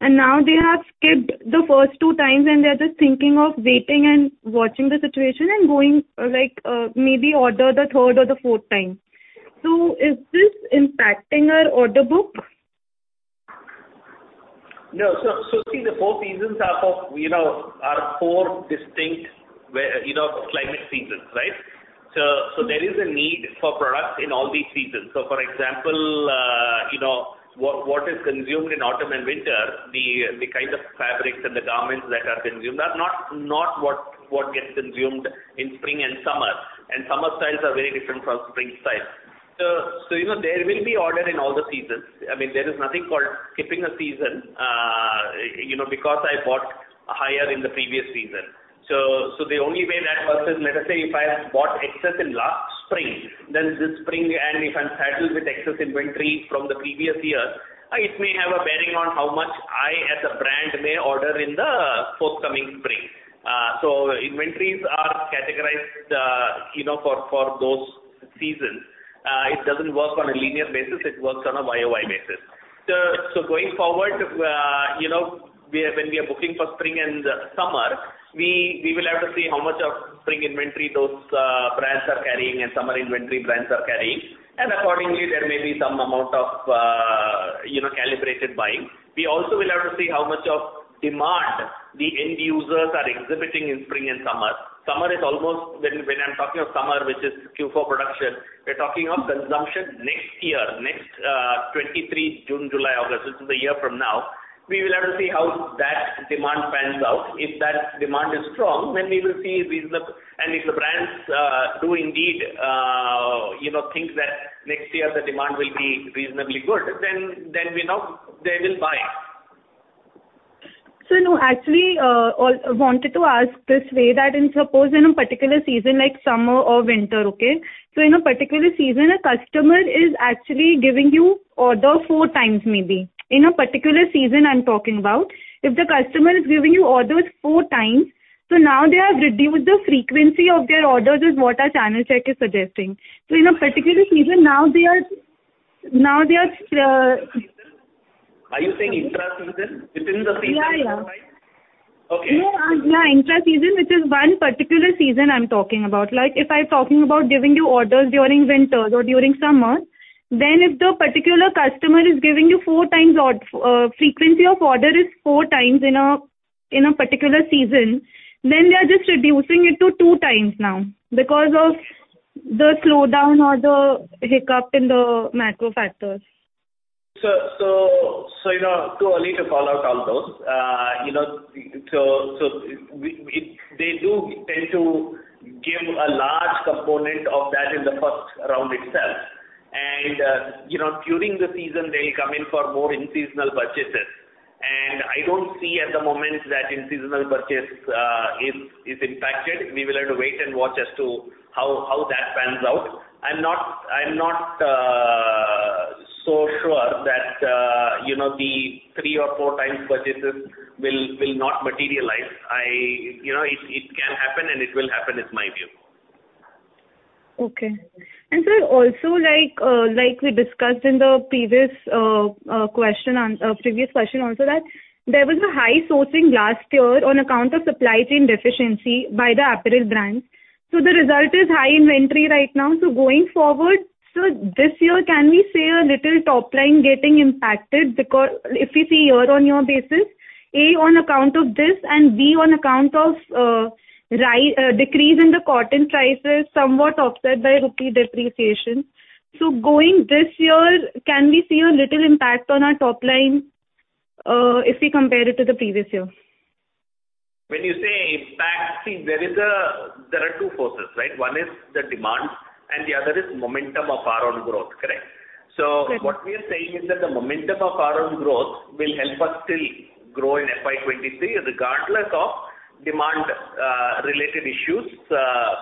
and now they have skipped the first two times, and they're just thinking of waiting and watching the situation and going maybe order the third or the fourth time. Is this impacting our order book? No. So see, the four seasons are four distinct climate seasons, right? So there is a need for products in all these seasons. So for example, what is consumed in autumn and winter, the kind of fabrics and the garments that are consumed are not what gets consumed in spring and summer. And summer styles are very different from spring styles. So there will be order in all the seasons. I mean, there is nothing called skipping a season because I bought higher in the previous season. So the only way that works is, let us say, if I bought excess in last spring, then this spring, and if I'm saddled with excess inventory from the previous year, it may have a bearing on how much I, as a brand, may order in the forthcoming spring. So inventories are categorized for those seasons. It doesn't work on a linear basis. It works on a YOY basis. So going forward, when we are booking for spring and summer, we will have to see how much of spring inventory those brands are carrying and summer inventory brands are carrying. Accordingly, there may be some amount of calibrated buying. We also will have to see how much of demand the end users are exhibiting in spring and summer. When I'm talking of summer, which is Q4 production, we're talking of consumption next year, next 23 June, July, August, which is a year from now. We will have to see how that demand pans out. If that demand is strong, then we will see reasonable and if the brands do indeed think that next year, the demand will be reasonably good, then they will buy. So no. Actually, I wanted to ask this way that in suppose in a particular season like summer or winter, okay, so in a particular season, a customer is actually giving you order 4 times maybe. In a particular season I'm talking about, if the customer is giving you orders 4 times, so now they have reduced the frequency of their orders is what our channel check is suggesting. So in a particular season, now they are. Are you saying intra-season? Within the season, right? Yeah, yeah. Yeah, intra-season, which is one particular season I'm talking about. If I'm talking about giving you orders during winter or during summer, then if the particular customer is giving you 4 times frequency of order is 4 times in a particular season, then they are just reducing it to 2 times now because of the slowdown or the hiccup in the macro factors. Too early to call out all those. They do tend to give a large component of that in the first round itself. During the season, they'll come in for more in-seasonal purchases. I don't see at the moment that in-seasonal purchase is impacted. We will have to wait and watch as to how that pans out. I'm not so sure that the three or four times purchases will not materialize. It can happen, and it will happen, is my view. Okay. And sir, also, like we discussed in the previous question also, that there was a high sourcing last year on account of supply chain deficiency by the apparel brands. So the result is high inventory right now. So going forward, so this year, can we say a little top line getting impacted? Because if we see year-on-year basis, A, on account of this, and B, on account of decrease in the cotton prices, somewhat offset by rupee depreciation. So going this year, can we see a little impact on our top line if we compare it to the previous year? When you say impact, see, there are two forces, right? One is the demand, and the other is momentum of our own growth, correct? So what we are saying is that the momentum of our own growth will help us still grow in FY23 regardless of demand-related issues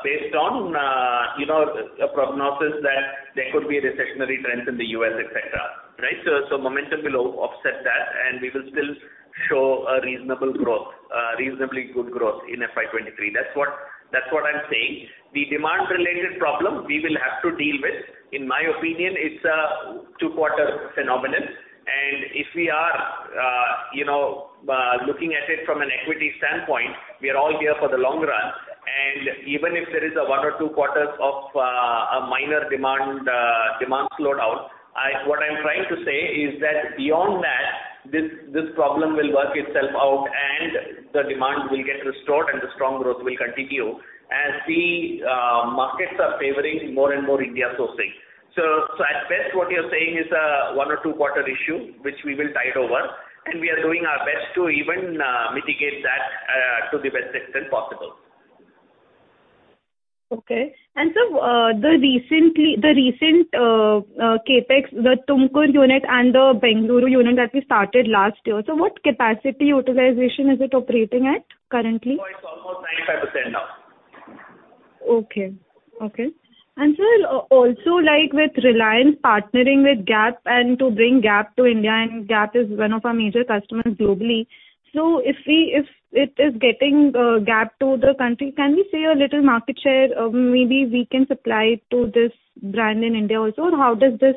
based on a prognosis that there could be recessionary trends in the U.S., etc., right? So momentum will offset that, and we will still show a reasonable growth, reasonably good growth in FY23. That's what I'm saying. The demand-related problem, we will have to deal with. In my opinion, it's a two-quarter phenomenon. And if we are looking at it from an equity standpoint, we are all here for the long run. Even if there is a one or two quarters of a minor demand slowdown, what I'm trying to say is that beyond that, this problem will work itself out, and the demand will get restored, and the strong growth will continue. See, markets are favoring more and more India sourcing. At best, what you're saying is a one or two-quarter issue, which we will tide over. We are doing our best to even mitigate that to the best extent possible. Okay. And sir, the recent Capex, the Tumkur unit and the Bengaluru unit that we started last year, so what capacity utilization is it operating at currently? Oh, it's almost 95% now. Okay. Okay. And sir, also, with Reliance partnering with Gap and to bring Gap to India, and Gap is one of our major customers globally. So if it is getting Gap to the country, can we see a little market share? Maybe we can supply to this brand in India also. How does this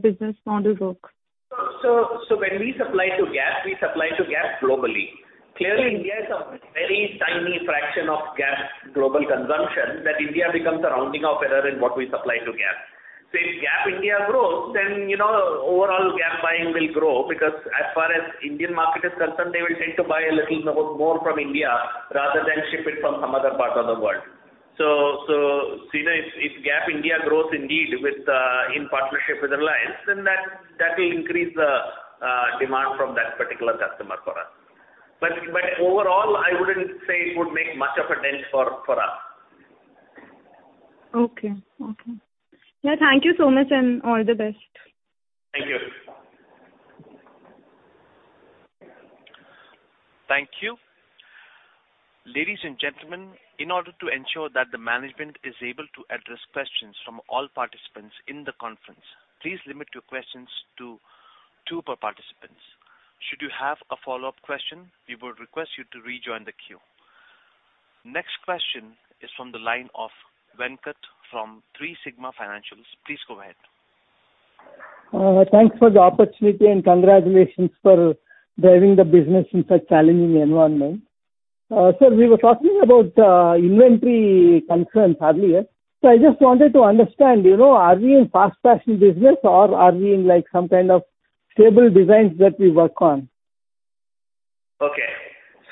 business model work? So when we supply to Gap, we supply to Gap globally. Clearly, India is a very tiny fraction of Gap global consumption that India becomes a rounding error in what we supply to Gap. So if Gap India grows, then overall Gap buying will grow because as far as the Indian market is concerned, they will tend to buy a little more from India rather than ship it from some other part of the world. So see, if Gap India grows indeed in partnership with Reliance, then that will increase the demand from that particular customer for us. But overall, I wouldn't say it would make much of a dent for us. Okay. Okay. Yeah. Thank you so much, and all the best. Thank you. Thank you. Ladies and gentlemen, in order to ensure that the management is able to address questions from all participants in the conference, please limit your questions to two per participant. Should you have a follow-up question, we will request you to rejoin the queue. Next question is from the line of Venkat from Three Sigma Financials. Please go ahead. Thanks for the opportunity, and congratulations for driving the business in such a challenging environment. Sir, we were talking about inventory concerns earlier. So I just wanted to understand, are we in fast-fashion business, or are we in some kind of stable designs that we work on? Okay.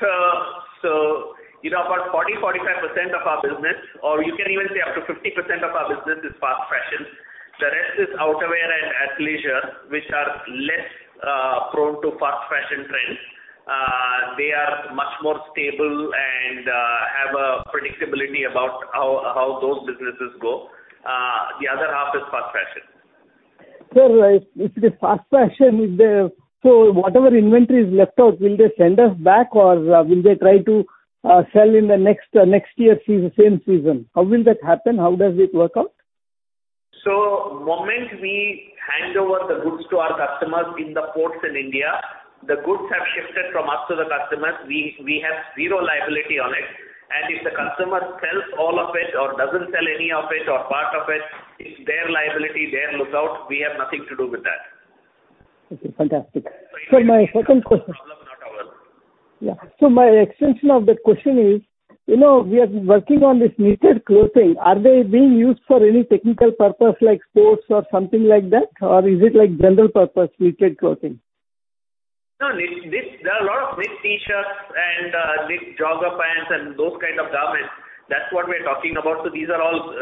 So about 40%-45% of our business, or you can even say up to 50% of our business is fast-fashion. The rest is outerwear and athleisure, which are less prone to fast-fashion trends. They are much more stable and have a predictability about how those businesses go. The other half is fast-fashion. Sir, if the fast-fashion is there, so whatever inventory is left out, will they send us back, or will they try to sell in the next year's same season? How will that happen? How does it work out? The moment we hand over the goods to our customers in the ports in India, the goods have shifted from us to the customers. We have zero liability on it. If the customer sells all of it or doesn't sell any of it or part of it, it's their liability, their lookout. We have nothing to do with that. Okay. Fantastic. Sir, my second question. It's not a problem, not ours. Yeah. So my extension of that question is, we are working on this knitted clothing. Are they being used for any technical purpose like sports or something like that, or is it general-purpose knitted clothing? No. There are a lot of knit T-shirts and knit jogger pants and those kinds of garments. That's what we are talking about. So these are all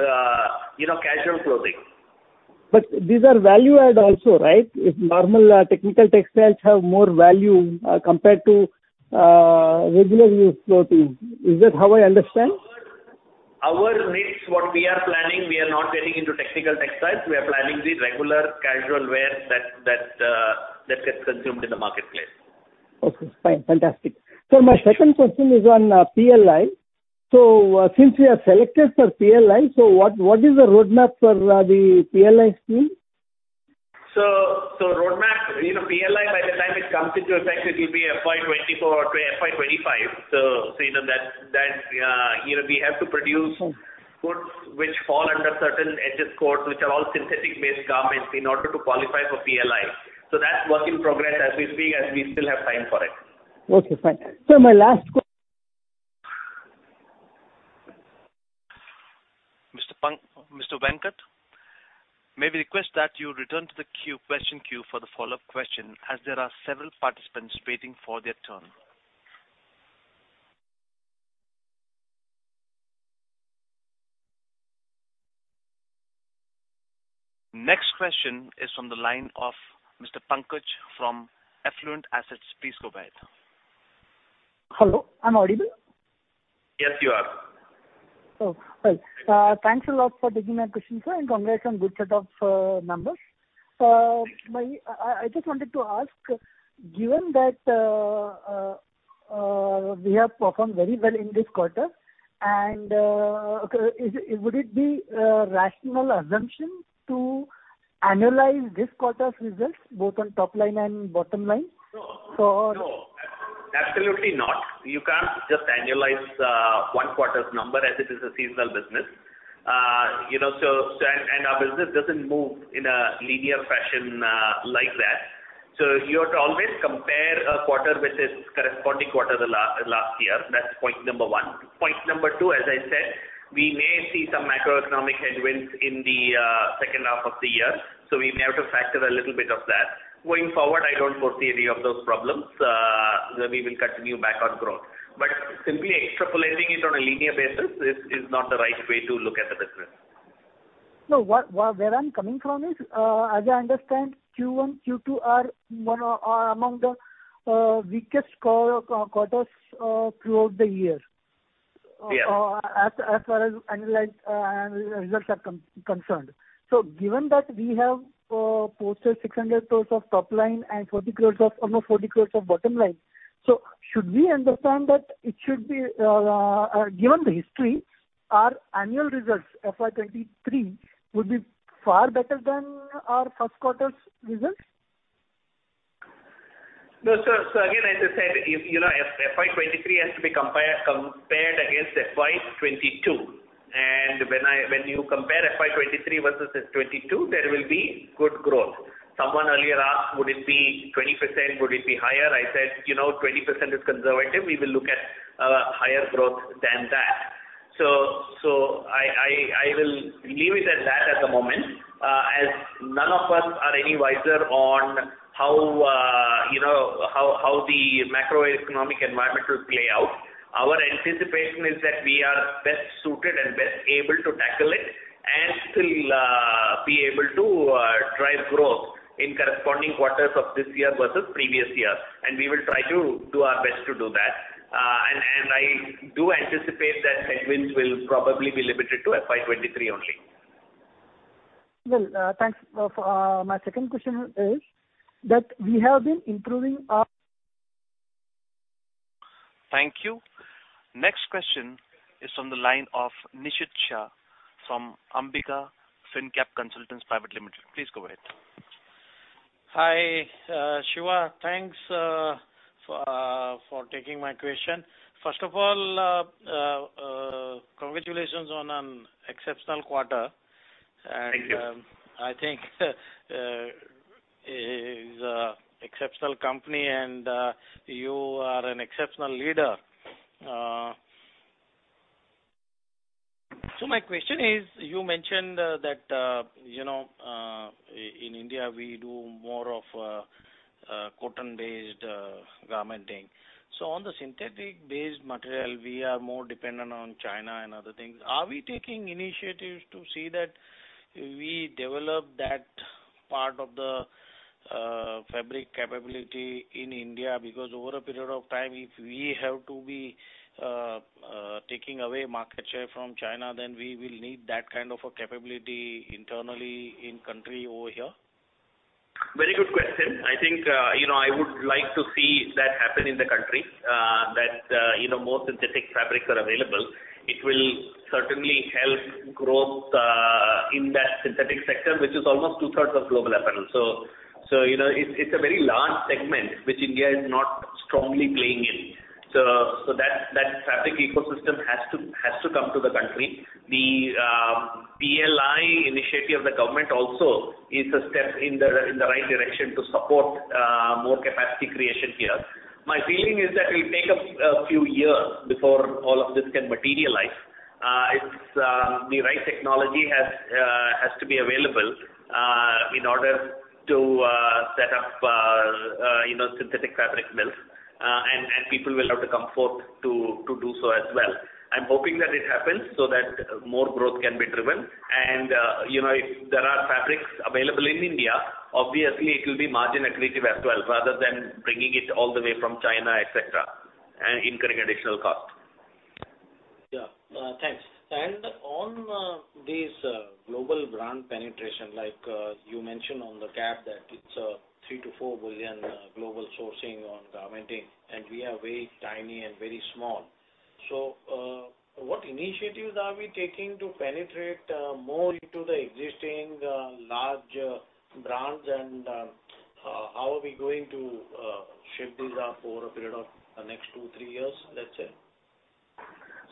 casual clothing. But these are value-add also, right? Normal technical textiles have more value compared to regular-use clothing. Is that how I understand? Our knits, what we are planning, we are not getting into technical textiles. We are planning the regular casual wear that gets consumed in the marketplace. Okay. Fine. Fantastic. Sir, my second question is on PLI. So since we have selected for PLI, so what is the roadmap for the PLI scheme? So roadmap, PLI, by the time it comes into effect, it will be FY24 to FY25. So see, then we have to produce goods which fall under certain HS codes, which are all synthetic-based garments in order to qualify for PLI. So that's work in progress as we speak as we still have time for it. Okay. Fine. Sir, my last question. Mr. Venkat, may we request that you return to the question queue for the follow-up question as there are several participants waiting for their turn? Next question is from the line of Mr. Pankaj from Affluent Assets. Please go ahead. Hello. I'm audible? Yes, you are. Oh, well. Thanks a lot for taking my question, sir, and congrats on a good set of numbers. I just wanted to ask, given that we have performed very well in this quarter, and would it be a rational assumption to analyze this quarter's results both on top line and bottom line? No, no. Absolutely not. You can't just analyze one quarter's number as it is a seasonal business. And our business doesn't move in a linear fashion like that. So you have to always compare a quarter with its corresponding quarter last year. That's point number one. Point number two, as I said, we may see some macroeconomic headwinds in the second half of the year. So we may have to factor a little bit of that. Going forward, I don't foresee any of those problems. We will continue back on growth. But simply extrapolating it on a linear basis is not the right way to look at the business. No, where I'm coming from is, as I understand, Q1, Q2 are among the weakest quarters throughout the year as far as results are concerned. So given that we have posted 600 crore of top line and almost 40 crore of bottom line, so should we understand that it should be given the history, our annual results, FY23, would be far better than our first quarter's results? No, sir. Again, as I said, FY23 has to be compared against FY22. When you compare FY23 versus FY22, there will be good growth. Someone earlier asked, "Would it be 20%? Would it be higher?" I said, "20% is conservative. We will look at higher growth than that." I will leave it at that at the moment as none of us are any wiser on how the macroeconomic environment will play out. Our anticipation is that we are best suited and best able to tackle it and still be able to drive growth in corresponding quarters of this year versus previous year. We will try to do our best to do that. I do anticipate that headwinds will probably be limited to FY23 only. Well, thanks. My second question is that we have been improving our. Thank you. Next question is from the line of Nishit Shah from Ambika Fincap Consultants Pvt. Ltd. Please go ahead. Hi, Siva. Thanks for taking my question. First of all, congratulations on an exceptional quarter. I think it's an exceptional company, and you are an exceptional leader. My question is, you mentioned that in India, we do more of a cotton-based garment thing. So on the synthetic-based material, we are more dependent on China and other things. Are we taking initiatives to see that we develop that part of the fabric capability in India? Because over a period of time, if we have to be taking away market share from China, then we will need that kind of a capability internally in the country over here? Very good question. I think I would like to see that happen in the country, that more synthetic fabrics are available. It will certainly help growth in that synthetic sector, which is almost two-thirds of global capital. So it's a very large segment, which India is not strongly playing in. So that fabric ecosystem has to come to the country. The PLI initiative of the government also is a step in the right direction to support more capacity creation here. My feeling is that it will take a few years before all of this can materialize. The right technology has to be available in order to set up synthetic fabric mills, and people will have to come forth to do so as well. I'm hoping that it happens so that more growth can be driven. If there are fabrics available in India, obviously, it will be margin-aggressive as well rather than bringing it all the way from China, etc., incurring additional cost. Yeah. Thanks. On this global brand penetration, like you mentioned on the Gap, that it's a $3 billion-$4 billion global sourcing on garmenting, and we are very tiny and very small. What initiatives are we taking to penetrate more into the existing large brands, and how are we going to shape these up over a period of the next 2-3 years, let's say?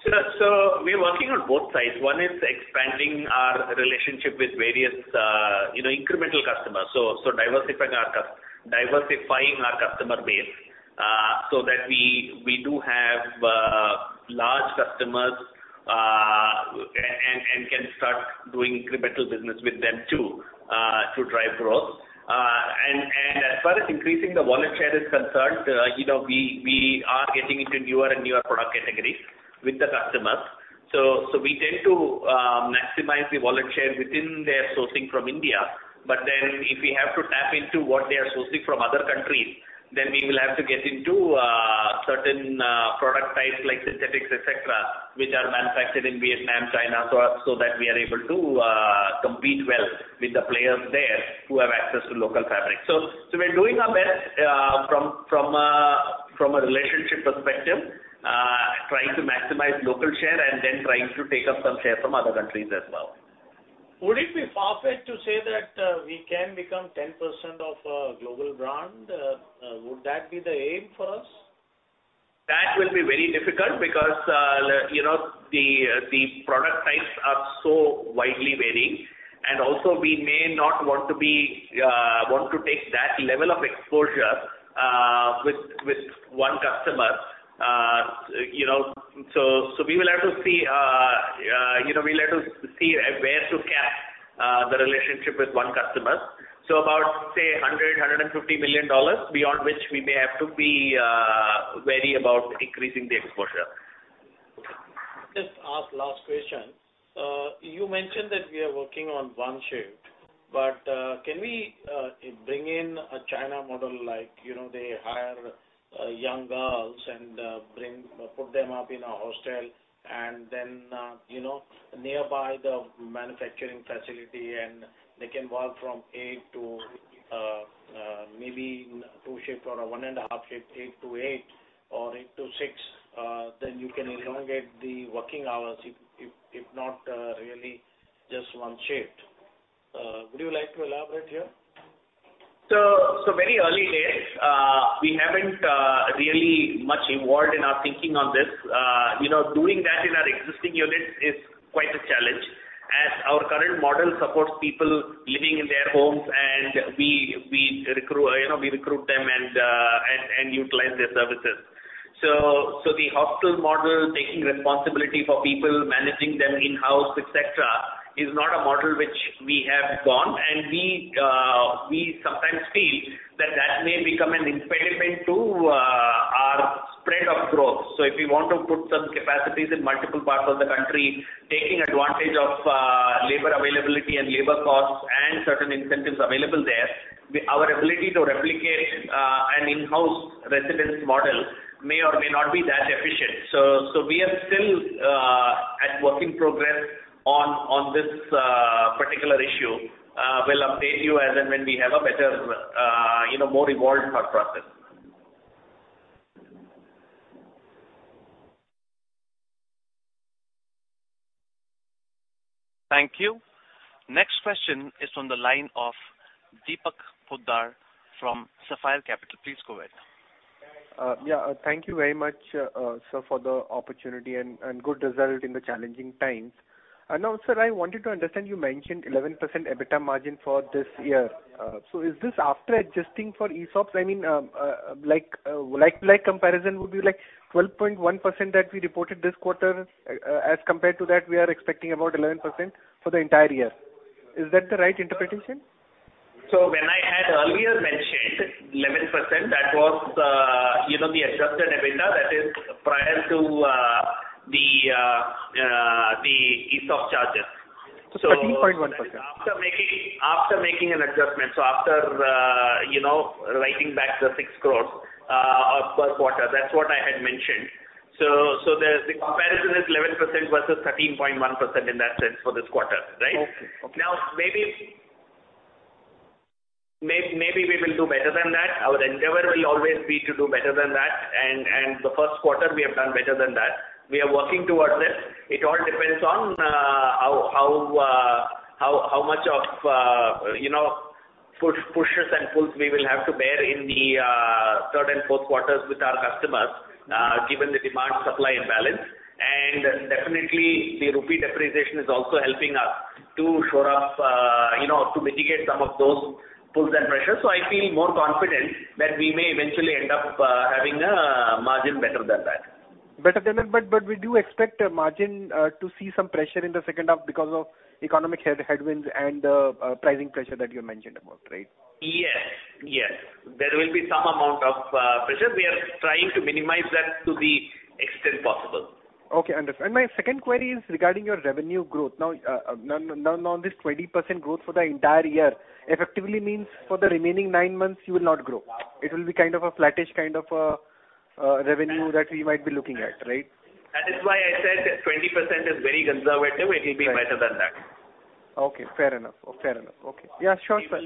We're working on both sides. One is expanding our relationship with various incremental customers, so diversifying our customer base so that we do have large customers and can start doing incremental business with them too to drive growth. As far as increasing the wallet share is concerned, we are getting into newer and newer product categories with the customers. So we tend to maximize the wallet share within their sourcing from India. But then if we have to tap into what they are sourcing from other countries, then we will have to get into certain product types like synthetics, etc., which are manufactured in Vietnam, China, so that we are able to compete well with the players there who have access to local fabrics. So we're doing our best from a relationship perspective, trying to maximize local share, and then trying to take up some share from other countries as well. Would it be far-fetched to say that we can become 10% of a global brand? Would that be the aim for us? That will be very difficult because the product types are so widely varying. Also, we may not want to take that level of exposure with one customer. So we will have to see where to cap the relationship with one customer. So about, say, $100 million-$150 million, beyond which we may have to be wary about increasing the exposure. Okay. Just ask last question. You mentioned that we are working on one shift, but can we bring in a China model like they hire young girls and put them up in a hostel and then nearby the manufacturing facility, and they can work from 8:00 A.M. to maybe two shifts or a one-and-a-half shift, 8:00 A.M. to 8:00 P.M. or 8:00 A.M. to 6:00 P.M.? Then you can elongate the working hours if not really just one shift. Would you like to elaborate here? So very early days. We haven't really much evolved in our thinking on this. Doing that in our existing units is quite a challenge as our current model supports people living in their homes, and we recruit them and utilize their services. So the hostel model, taking responsibility for people, managing them in-house, etc., is not a model which we have gone. And we sometimes feel that that may become an impediment to our spread of growth. So if we want to put some capacities in multiple parts of the country, taking advantage of labor availability and labor costs and certain incentives available there, our ability to replicate an in-house residence model may or may not be that efficient. So we are still at work in progress on this particular issue. We'll update you as and when we have a better, more evolved thought process. Thank you. Next question is from the line of Deepak Poddar from Sapphire Capital. Please go ahead. Yeah. Thank you very much, sir, for the opportunity and good result in the challenging times. And now, sir, I wanted to understand. You mentioned 11% EBITDA margin for this year. So is this after adjusting for ESOPs? I mean, would like-to-like comparison would be like 12.1% that we reported this quarter. As compared to that, we are expecting about 11% for the entire year. Is that the right interpretation? When I had earlier mentioned 11%, that was the adjusted EBITDA that is prior to the ESOPS charges. So 13.1%. After making an adjustment, so after writing back the 6 crore per quarter, that's what I had mentioned. The comparison is 11% versus 13.1% in that sense for this quarter, right? Now, maybe we will do better than that. Our endeavor will always be to do better than that. The first quarter, we have done better than that. We are working towards it. It all depends on how much of pushes and pulls we will have to bear in the third and fourth quarters with our customers given the demand-supply imbalance. Definitely, the rupee depreciation is also helping us to shore up, to mitigate some of those pulls and pressures. So I feel more confident that we may eventually end up having a margin better than that. Better than that. But we do expect a margin to see some pressure in the second half because of economic headwinds and the pricing pressure that you mentioned about, right? Yes, yes. There will be some amount of pressure. We are trying to minimize that to the extent possible. Okay. Understood. My second query is regarding your revenue growth. Now, this 20% growth for the entire year effectively means for the remaining nine months, you will not grow. It will be kind of a flattish kind of revenue that we might be looking at, right? That is why I said 20% is very conservative. It will be better than that. Okay. Fair enough. Fair enough. Okay. Yeah. Sure, sir.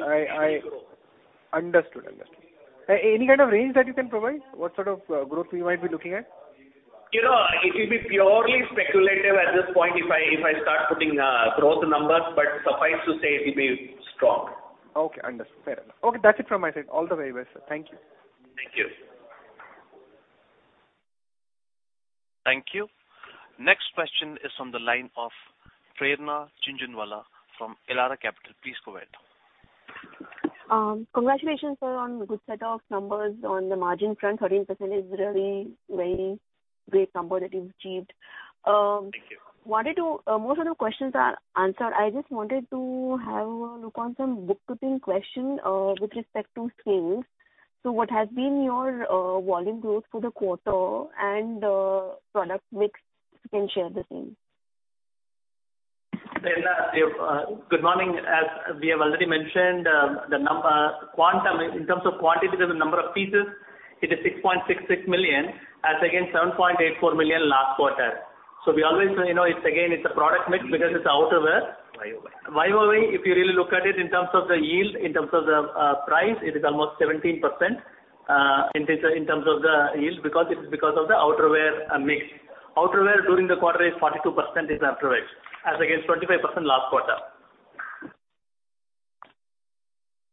Understood. Understood. Any kind of range that you can provide? What sort of growth we might be looking at? It will be purely speculative at this point if I start putting growth numbers, but suffice to say it will be strong. Okay. Understood. Fair enough. Okay. That's it from my side. All the very best, sir. Thank you. Thank you. Thank you. Next question is from the line of Prerna Jhunjhunwala from Elara Capital. Please go ahead. Congratulations, sir, on a good set of numbers on the margin front. 13% is really a very great number that you've achieved. Thank you. Most of the questions are answered. I just wanted to have a look on some bookkeeping questions with respect to sales. So what has been your volume growth for the quarter and product mix? You can share the same. Prerna, good morning. As we have already mentioned, in terms of quantity, there's a number of pieces. It is 6.66 million as against 7.84 million last quarter. So it's again, it's a product mix because it's outerwe wait, if you really look at it in terms of the yield, in terms of the price, it is almost 17% in terms of the yield because it is because of the outerwear mix. Outerwear during the quarter is 42% is outerwear as against 25% last quarter.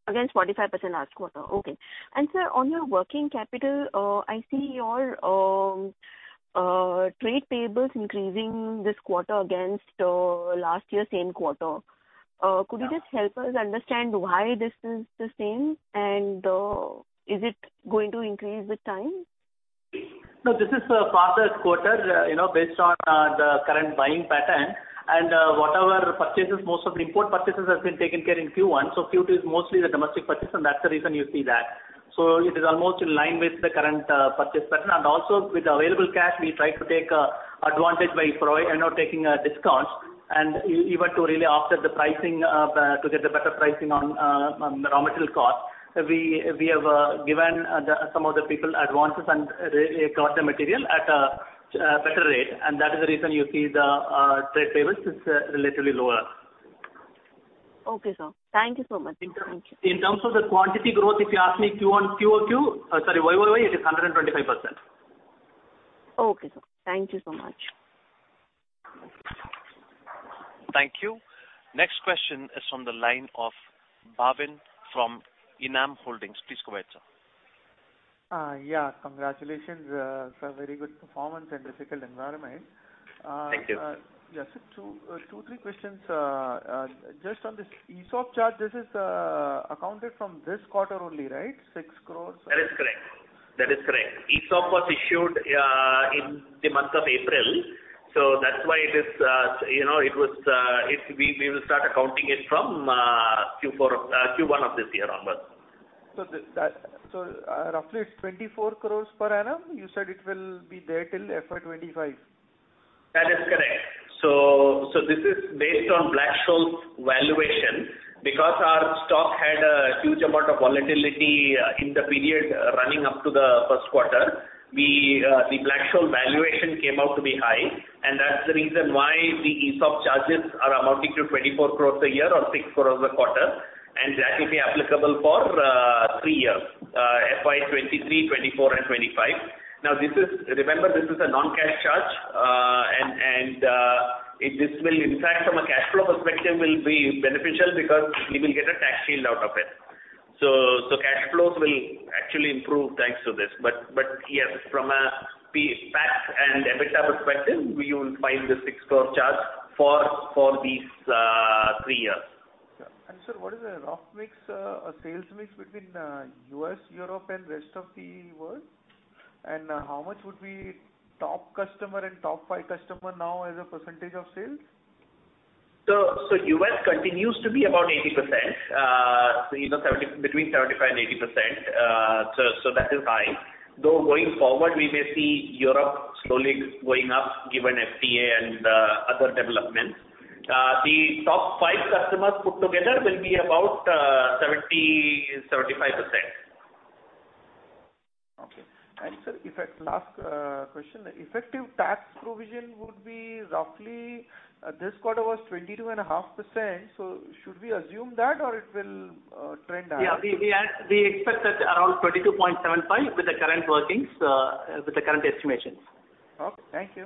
Against 45% last quarter. Okay. And sir, on your working capital, I see your trade payables increasing this quarter against last year's same quarter. Could you just help us understand why this is the same, and is it going to increase with time? No. This is for the quarter based on the current buying pattern. Whatever purchases, most of the import purchases have been taken care in Q1. Q2 is mostly the domestic purchase, and that's the reason you see that. It is almost in line with the current purchase pattern. Also, with the available cash, we try to take advantage by taking discounts. Even to really offer the pricing to get the better pricing on raw material costs, we have given some of the people advances and got the material at a better rate. That is the reason you see the trade payables is relatively lower. Okay, sir. Thank you so much. In terms of the quantity growth, if you ask me, Q-Q, sorry, year-over-year, it is 125%. Okay, sir. Thank you so much. Thank you. Next question is from the line of Bhavin from Enam Holdings. Please go ahead, sir. Yeah. Congratulations, sir. Very good performance in a difficult environment. Thank you. Yeah. Sir, 2, 3 questions. Just on this ESOPs chart, this is accounted from this quarter only, right? 6 crore. That is correct. That is correct. ESOPs was issued in the month of April. So that's why we will start accounting it from Q1 of this year onwards. Roughly, it's 24 crore per annum. You said it will be there till FY2025. That is correct. So this is based on Black-Scholes valuation. Because our stock had a huge amount of volatility in the period running up to the first quarter, the Black-Scholes valuation came out to be high. And that's the reason why the ESOP charges are amounting to 24 crore a year or 6 crore a quarter. And that will be applicable for three years, FY23, FY24, and FY25. Now, remember, this is a non-cash charge, and this will, in fact, from a cash flow perspective, be beneficial because we will get a tax shield out of it. So cash flows will actually improve thanks to this. But yes, from a PAT and EBITDA perspective, we will find the INR 6 crore charge for these three years. Yeah. And sir, what is the rough mix, sales mix between U.S., Europe, and rest of the world? And how much would be top customer and top five customer now as a percentage of sales? So U.S. continues to be about 80%, between 75% and 80%. So that is high. Though going forward, we may see Europe slowly going up given FTA and other developments. The top five customers put together will be about 70%-75%. Okay. And sir, last question. The effective tax provision would be roughly this quarter was 22.5%. So should we assume that, or it will trend up? Yeah. We expect that around 22.75 with the current workings, with the current estimations. Okay. Thank you.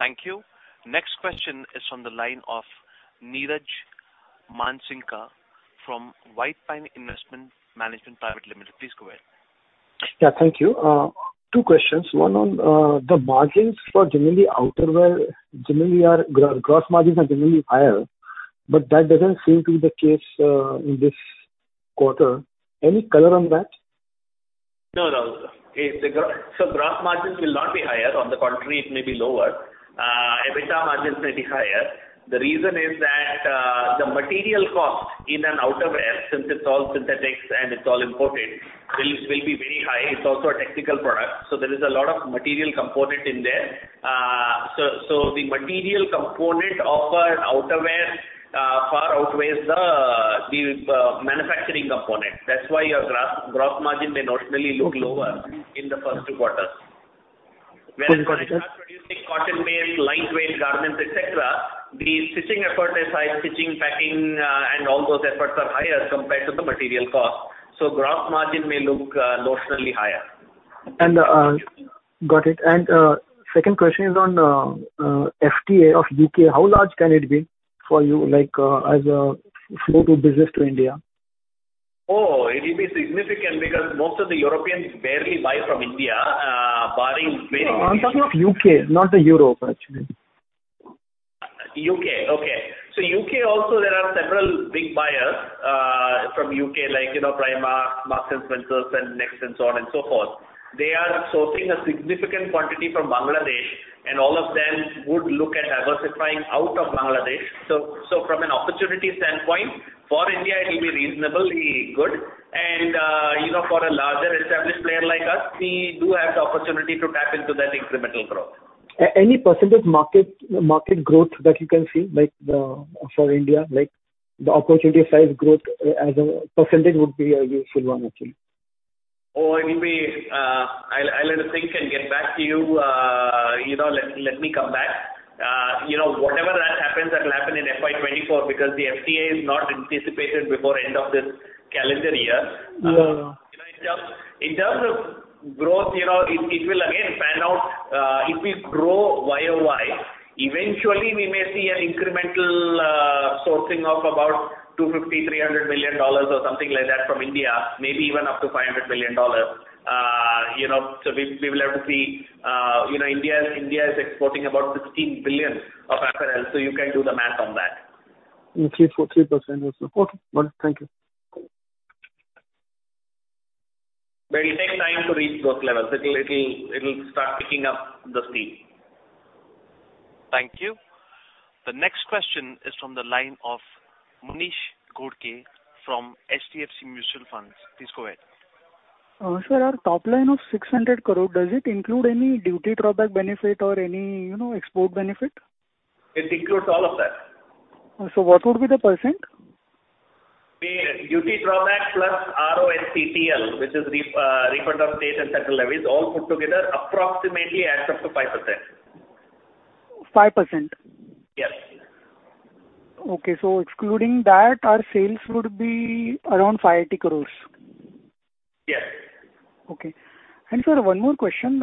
Thank you. Next question is from the line of Niraj Mansingka from White Pine Investment Management Pvt Ltd. Please go ahead. Yeah. Thank you. Two questions. One on the margins for generally outerwear, generally our gross margins are generally higher, but that doesn't seem to be the case in this quarter. Any color on that? No, no. So gross margins will not be higher. On the contrary, it may be lower. EBITDA margins may be higher. The reason is that the material cost in an outerwear, since it's all synthetics and it's all imported, will be very high. It's also a technical product. So there is a lot of material component in there. So the material component of an outerwear far outweighs the manufacturing component. That's why your gross margin may notionally look lower in the first two quarters. Whereas when you are producing cotton-based, lightweight garments, etc., the stitching effort aside, stitching, packing, and all those efforts are higher compared to the material cost. So gross margin may look notionally higher. Got it. Second question is on FTA of U.K. How large can it be for you as a flow-through business to India? Oh, it will be significant because most of the Europeans barely buy from India, barring very few. I'm talking of UK, not the Europe, actually. UK. Okay. So UK also, there are several big buyers from UK like Primark, Marks & Spencer, and Next, and so on and so forth. They are sourcing a significant quantity from Bangladesh, and all of them would look at diversifying out of Bangladesh. So from an opportunity standpoint, for India, it will be reasonably good. And for a larger established player like us, we do have the opportunity to tap into that incremental growth. Any percentage market growth that you can see for India, like the opportunity of size growth as a percentage, would be a useful one, actually. Oh, it will be. I'll have to think and get back to you. Let me come back. Whatever that happens, that will happen in FY 2024 because the FTA is not anticipated before the end of this calendar year. In terms of growth, it will, again, pan out. It will grow year-over-year. Eventually, we may see an incremental sourcing of about $250-$300 million or something like that from India, maybe even up to $500 million. So we will have to see. India is exporting about $16 billion of apparel. So you can do the math on that. In 2% or so. Okay. Good. Thank you. But it will take time to reach those levels. It will start picking up the speed. Thank you. The next question is from the line of Monish Ghodke from HDFC Mutual Funds. Please go ahead. Sir, our top line of 600 crore, does it include any duty drawback benefit or any export benefit? It includes all of that. What would be the percent? Duty drawback plus RoSCTL, which is refund of state and central levies, all put together, approximately adds up to 5%. 5%? Yes. Okay. So excluding that, our sales would be around 580 crores? Yes. Okay. Sir, one more question.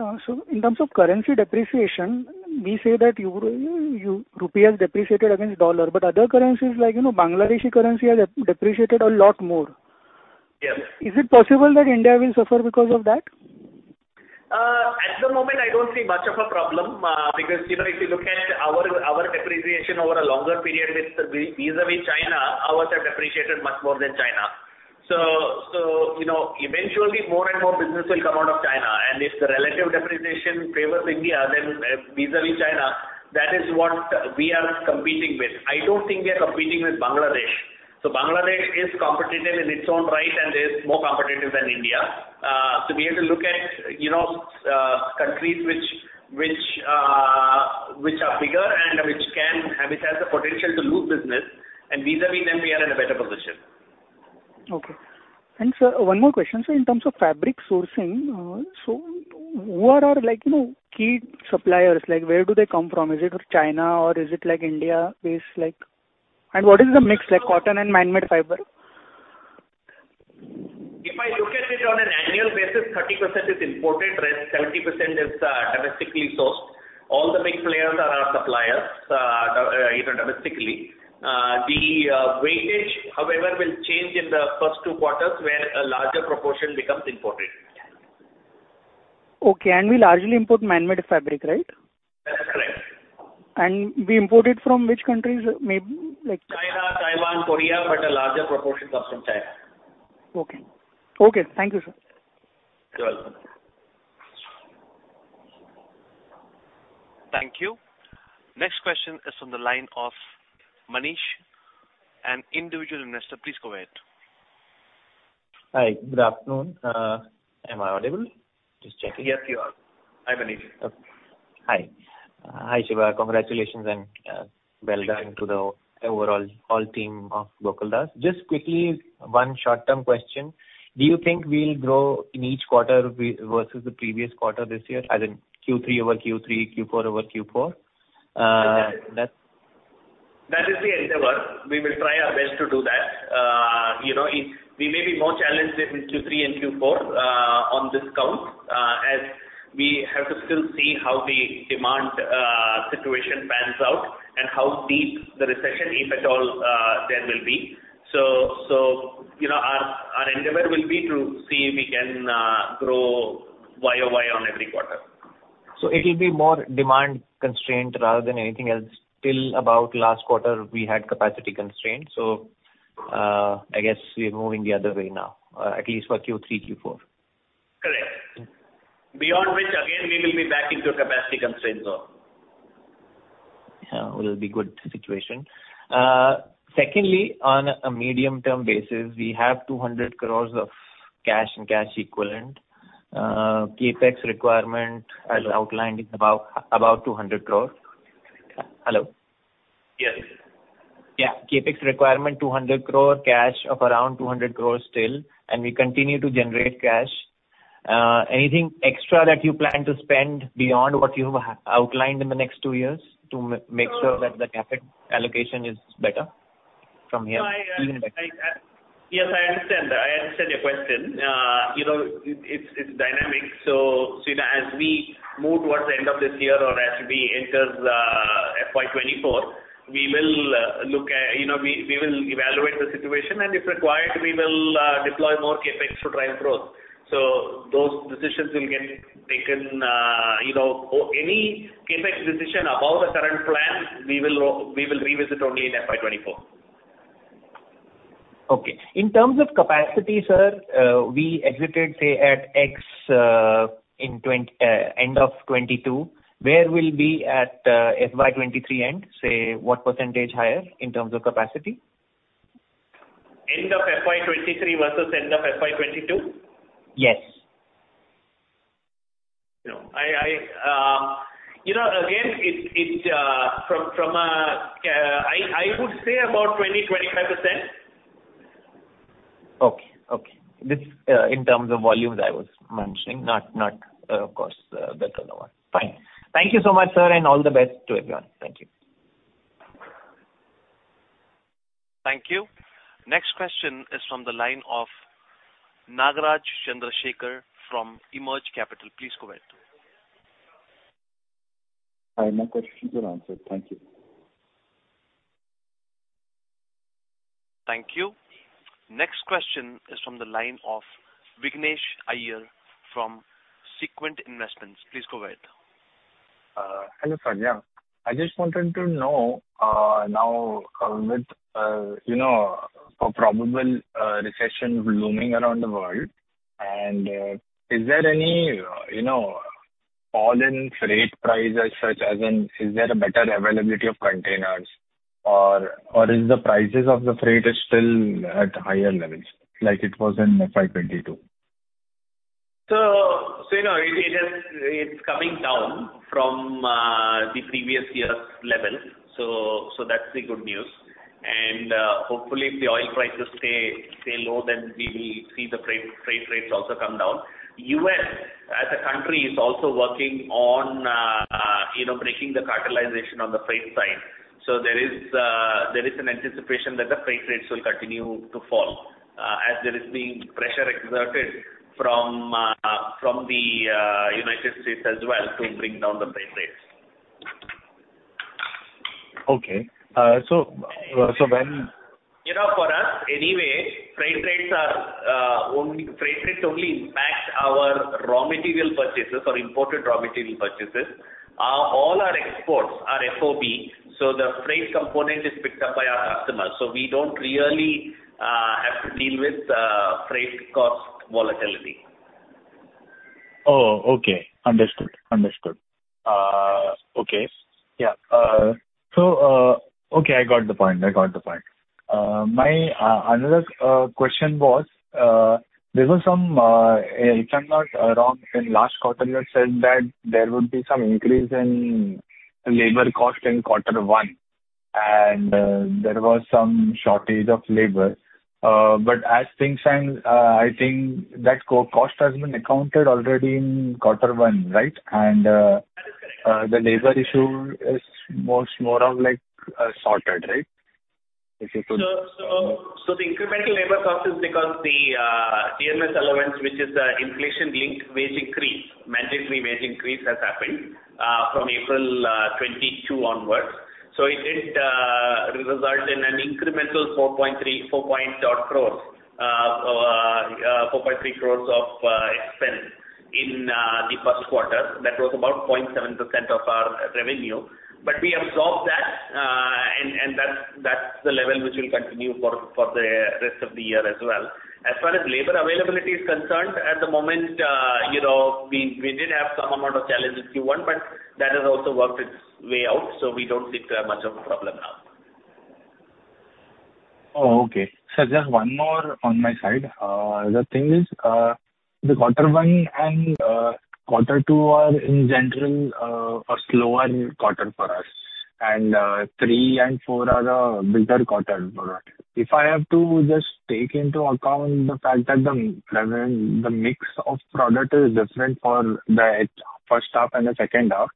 In terms of currency depreciation, we say that rupee has depreciated against dollar, but other currencies like Bangladeshi currency has depreciated a lot more. Is it possible that India will suffer because of that? At the moment, I don't see much of a problem because if you look at our depreciation over a longer period with vis-à-vis China, ours have depreciated much more than China. So eventually, more and more business will come out of China. And if the relative depreciation favors India vis-à-vis China, that is what we are competing with. I don't think we are competing with Bangladesh. So Bangladesh is competitive in its own right, and there is more competitive than India. So we have to look at countries which are bigger and which have the potential to lose business. And vis-à-vis them, we are in a better position. Okay. And sir, one more question. So in terms of fabric sourcing, so who are our key suppliers? Where do they come from? Is it China or is it India-based? And what is the mix like cotton and man-made fiber? If I look at it on an annual basis, 30% is imported, 70% is domestically sourced. All the big players are our suppliers domestically. The weightage, however, will change in the first two quarters where a larger proportion becomes imported. Okay. We largely import man-made fabric, right? That's correct. We import it from which countries? China, Taiwan, Korea, but a larger proportion comes from China. Okay. Okay. Thank you, sir. You're welcome. Thank you. Next question is from the line of Manish, an individual investor. Please go ahead. Hi. Good afternoon. Am I audible? Just checking. Yes, you are. Hi, Manish. Hi. Hi, Shiva. Congratulations and well done to the overall all team of Gokaldas. Just quickly, one short-term question. Do you think we'll grow in each quarter versus the previous quarter this year as in Q3 over Q3, Q4 over Q4? That is the endeavor. We will try our best to do that. We may be more challenged in Q3 and Q4 on this count as we have to still see how the demand situation pans out and how deep the recession, if at all, there will be. So our endeavor will be to see if we can grow year-over-year on every quarter. It will be more demand constraint rather than anything else. Till about last quarter, we had capacity constraint. I guess we're moving the other way now, at least for Q3, Q4. Correct. Beyond which, again, we will be back into a capacity constraint zone. Yeah. It will be a good situation. Secondly, on a medium-term basis, we have 200 crore of cash and cash equivalent. Capex requirement, as outlined, is about 200 crore. Hello? Yes. Yeah. Capex requirement 200 crore, cash of around 200 crores still, and we continue to generate cash. Anything extra that you plan to spend beyond what you have outlined in the next two years to make sure that the capital allocation is better from here? Even better. Yes, I understand. I understand your question. It's dynamic. So as we move towards the end of this year or as we enter FY24, we will look at we will evaluate the situation, and if required, we will deploy more CapEx to drive growth. So those decisions will get taken. Any CapEx decision above the current plan, we will revisit only in FY24. Okay. In terms of capacity, sir, we exited, say, at X in end of 2022. Where will we be at FY23 end? Say what percentage higher in terms of capacity? End of FY23 versus end of FY22? Yes. Again, from, I would say about 20%-25%. Okay. Okay. In terms of volumes, I was mentioning, not, of course, the turnover fine. Thank you so much, sir, and all the best to everyone. Thank you. Thank you. Next question is from the line of Nagaraj Chandrasekar from Emerge Capital. Please go ahead. Hi. My question is well answered. Thank you. Thank you. Next question is from the line of Vignesh Iyer from Sequent Investments. Please go ahead. Hello, Sanya. I just wanted to know now with a probable recession looming around the world, is there any fall in freight price as such? Is there a better availability of containers, or is the prices of the freight still at higher levels like it was in FY22? So it's coming down from the previous year's levels. So that's the good news. And hopefully, if the oil prices stay low, then we will see the freight rates also come down. U.S., as a country, is also working on breaking the cartelization on the freight side. So there is an anticipation that the freight rates will continue to fall as there is being pressure exerted from the United States as well to bring down the freight rates. Okay. So when. For us, anyway, freight rates only impact our raw material purchases or imported raw material purchases. All our exports are FOB, so the freight component is picked up by our customers. So we don't really have to deal with freight cost volatility. Oh, okay. Understood. Understood. Okay. Yeah. So okay, I got the point. I got the point. My other question was, there was some, if I'm not wrong, in last quarter, you had said that there would be some increase in labor cost in quarter one, and there was some shortage of labor. But as things stand, I think that cost has been accounted already in quarter one, right? And the labor issue is more or less sorted, right? If you could. The incremental labor cost is because the GMS allowance, which is the inflation-linked wage increase, mandatory wage increase has happened from April 2022 onwards. It did result in an incremental 4.3 crore of expense in the first quarter. That was about 0.7% of our revenue. But we absorbed that, and that's the level which will continue for the rest of the year as well. As far as labor availability is concerned, at the moment, we did have some amount of challenge in Q1, but that has also worked its way out. We don't seem to have much of a problem now. Oh, okay. Sir, just one more on my side. The thing is, quarter 1 and quarter 2 are, in general, a slower quarter for us, and 3 and 4 are a bigger quarter for us. If I have to just take into account the fact that the mix of product is different for the first half and the second half,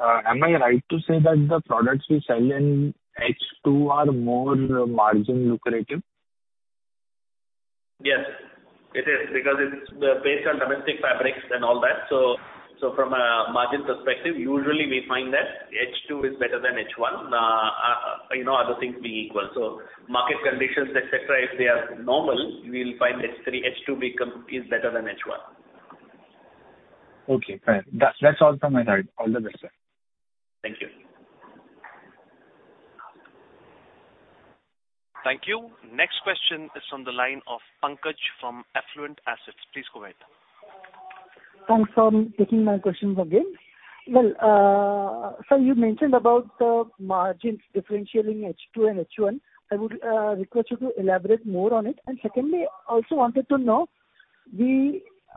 am I right to say that the products we sell in H2 are more margin lucrative? Yes, it is because it's based on domestic fabrics and all that. So from a margin perspective, usually, we find that H2 is better than H1. Other things being equal. So market conditions, etc., if they are normal, we will find H2 is better than H1. Okay. Fine. That's all from my side. All the best, sir. Thank you. Thank you. Next question is from the line of Pankaj from Affluent Assets. Please go ahead. Thanks for taking my questions again. Well, sir, you mentioned about the margins differentiating H2 and H1. I would request you to elaborate more on it. Secondly, I also wanted to know,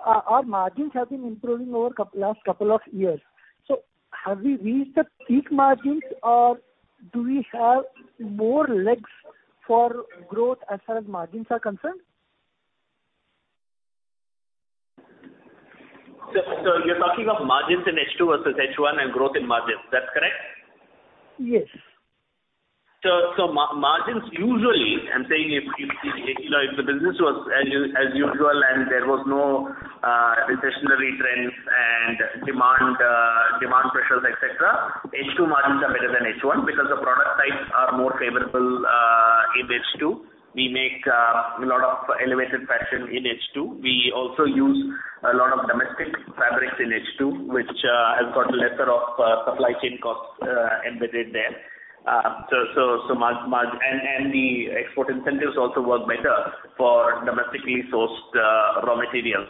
our margins have been improving over the last couple of years. Have we reached the peak margins, or do we have more legs for growth as far as margins are concerned? So you're talking of margins in H2 versus H1 and growth in margins? That's correct? Yes. So margins, usually, I'm saying if the business was as usual and there was no recessionary trends and demand pressures, etc., H2 margins are better than H1 because the product types are more favorable in H2. We make a lot of elevated fashion in H2. We also use a lot of domestic fabrics in H2, which has got lesser of supply chain costs embedded there. And the export incentives also work better for domestically sourced raw materials.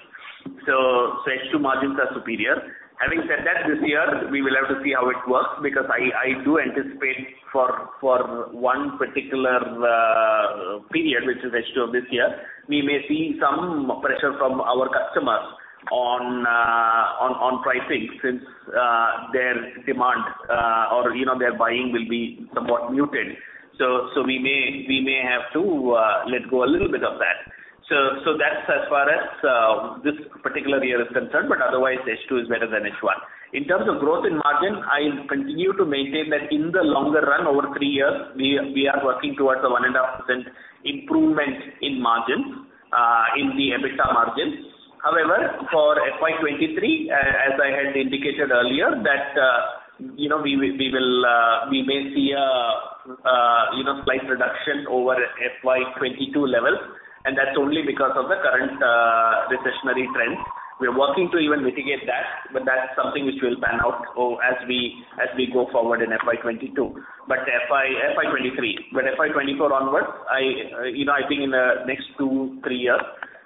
So H2 margins are superior. Having said that, this year, we will have to see how it works because I do anticipate for one particular period, which is H2 of this year, we may see some pressure from our customers on pricing since their demand or their buying will be somewhat muted. So we may have to let go a little bit of that. That's as far as this particular year is concerned. Otherwise, H2 is better than H1. In terms of growth in margin, I continue to maintain that in the longer run, over three years, we are working towards a 1.5% improvement in margins, in the EBITDA margins. However, for FY23, as I had indicated earlier, that we may see a slight reduction over FY22 levels. That's only because of the current recessionary trends. We're working to even mitigate that, but that's something which we'll pan out as we go forward in FY23. FY24 onwards, I think in the next two, three years,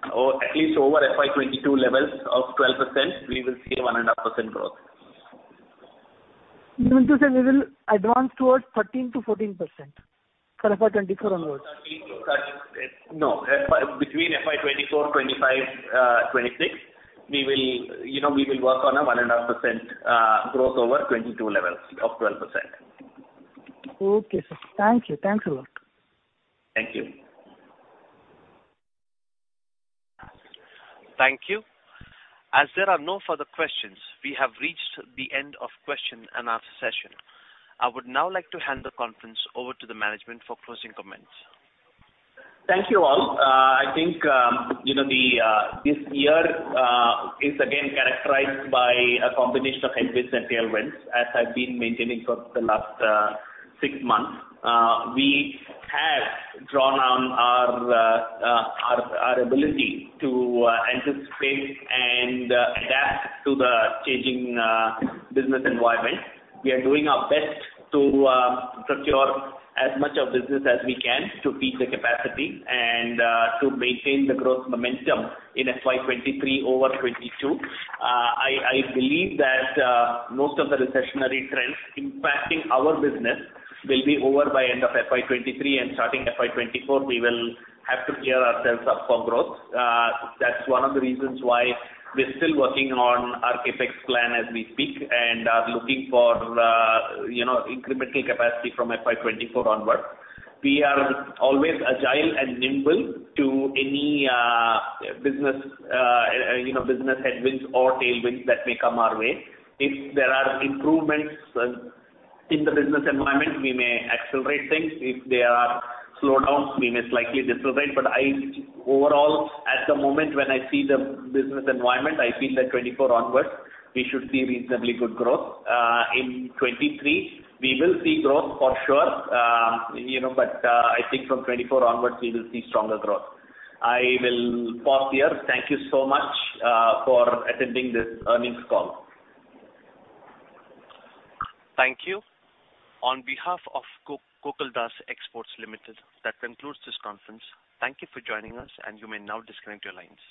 at least over FY22 levels of 12%, we will see a 1.5% growth. You mean to say we will advance towards 13%-14% for FY24 onwards? No, between FY24, FY25, FY26, we will work on a 1.5% growth over 2022 levels of 12%. Okay, sir. Thank you. Thanks a lot. Thank you. Thank you. As there are no further questions, we have reached the end of question-and-answer session. I would now like to hand the conference over to the management for closing comments. Thank you all. I think this year is, again, characterized by a combination of headwinds and tailwinds, as I've been maintaining for the last six months. We have drawn on our ability to anticipate and adapt to the changing business environment. We are doing our best to procure as much of business as we can to feed the capacity and to maintain the growth momentum in FY2023 over 2022. I believe that most of the recessionary trends impacting our business will be over by end of FY2023. Starting FY2024, we will have to gear ourselves up for growth. That's one of the reasons why we're still working on our Capex plan as we speak and are looking for incremental capacity from FY2024 onwards. We are always agile and nimble to any business headwinds or tailwinds that may come our way. If there are improvements in the business environment, we may accelerate things. If there are slowdowns, we may slightly decelerate. But overall, at the moment, when I see the business environment, I feel that 2024 onwards, we should see reasonably good growth. In 2023, we will see growth for sure. But I think from 2024 onwards, we will see stronger growth. I will pause here. Thank you so much for attending this earnings call. Thank you. On behalf of Gokaldas Exports Limited, that concludes this conference. Thank you for joining us, and you may now disconnect your lines.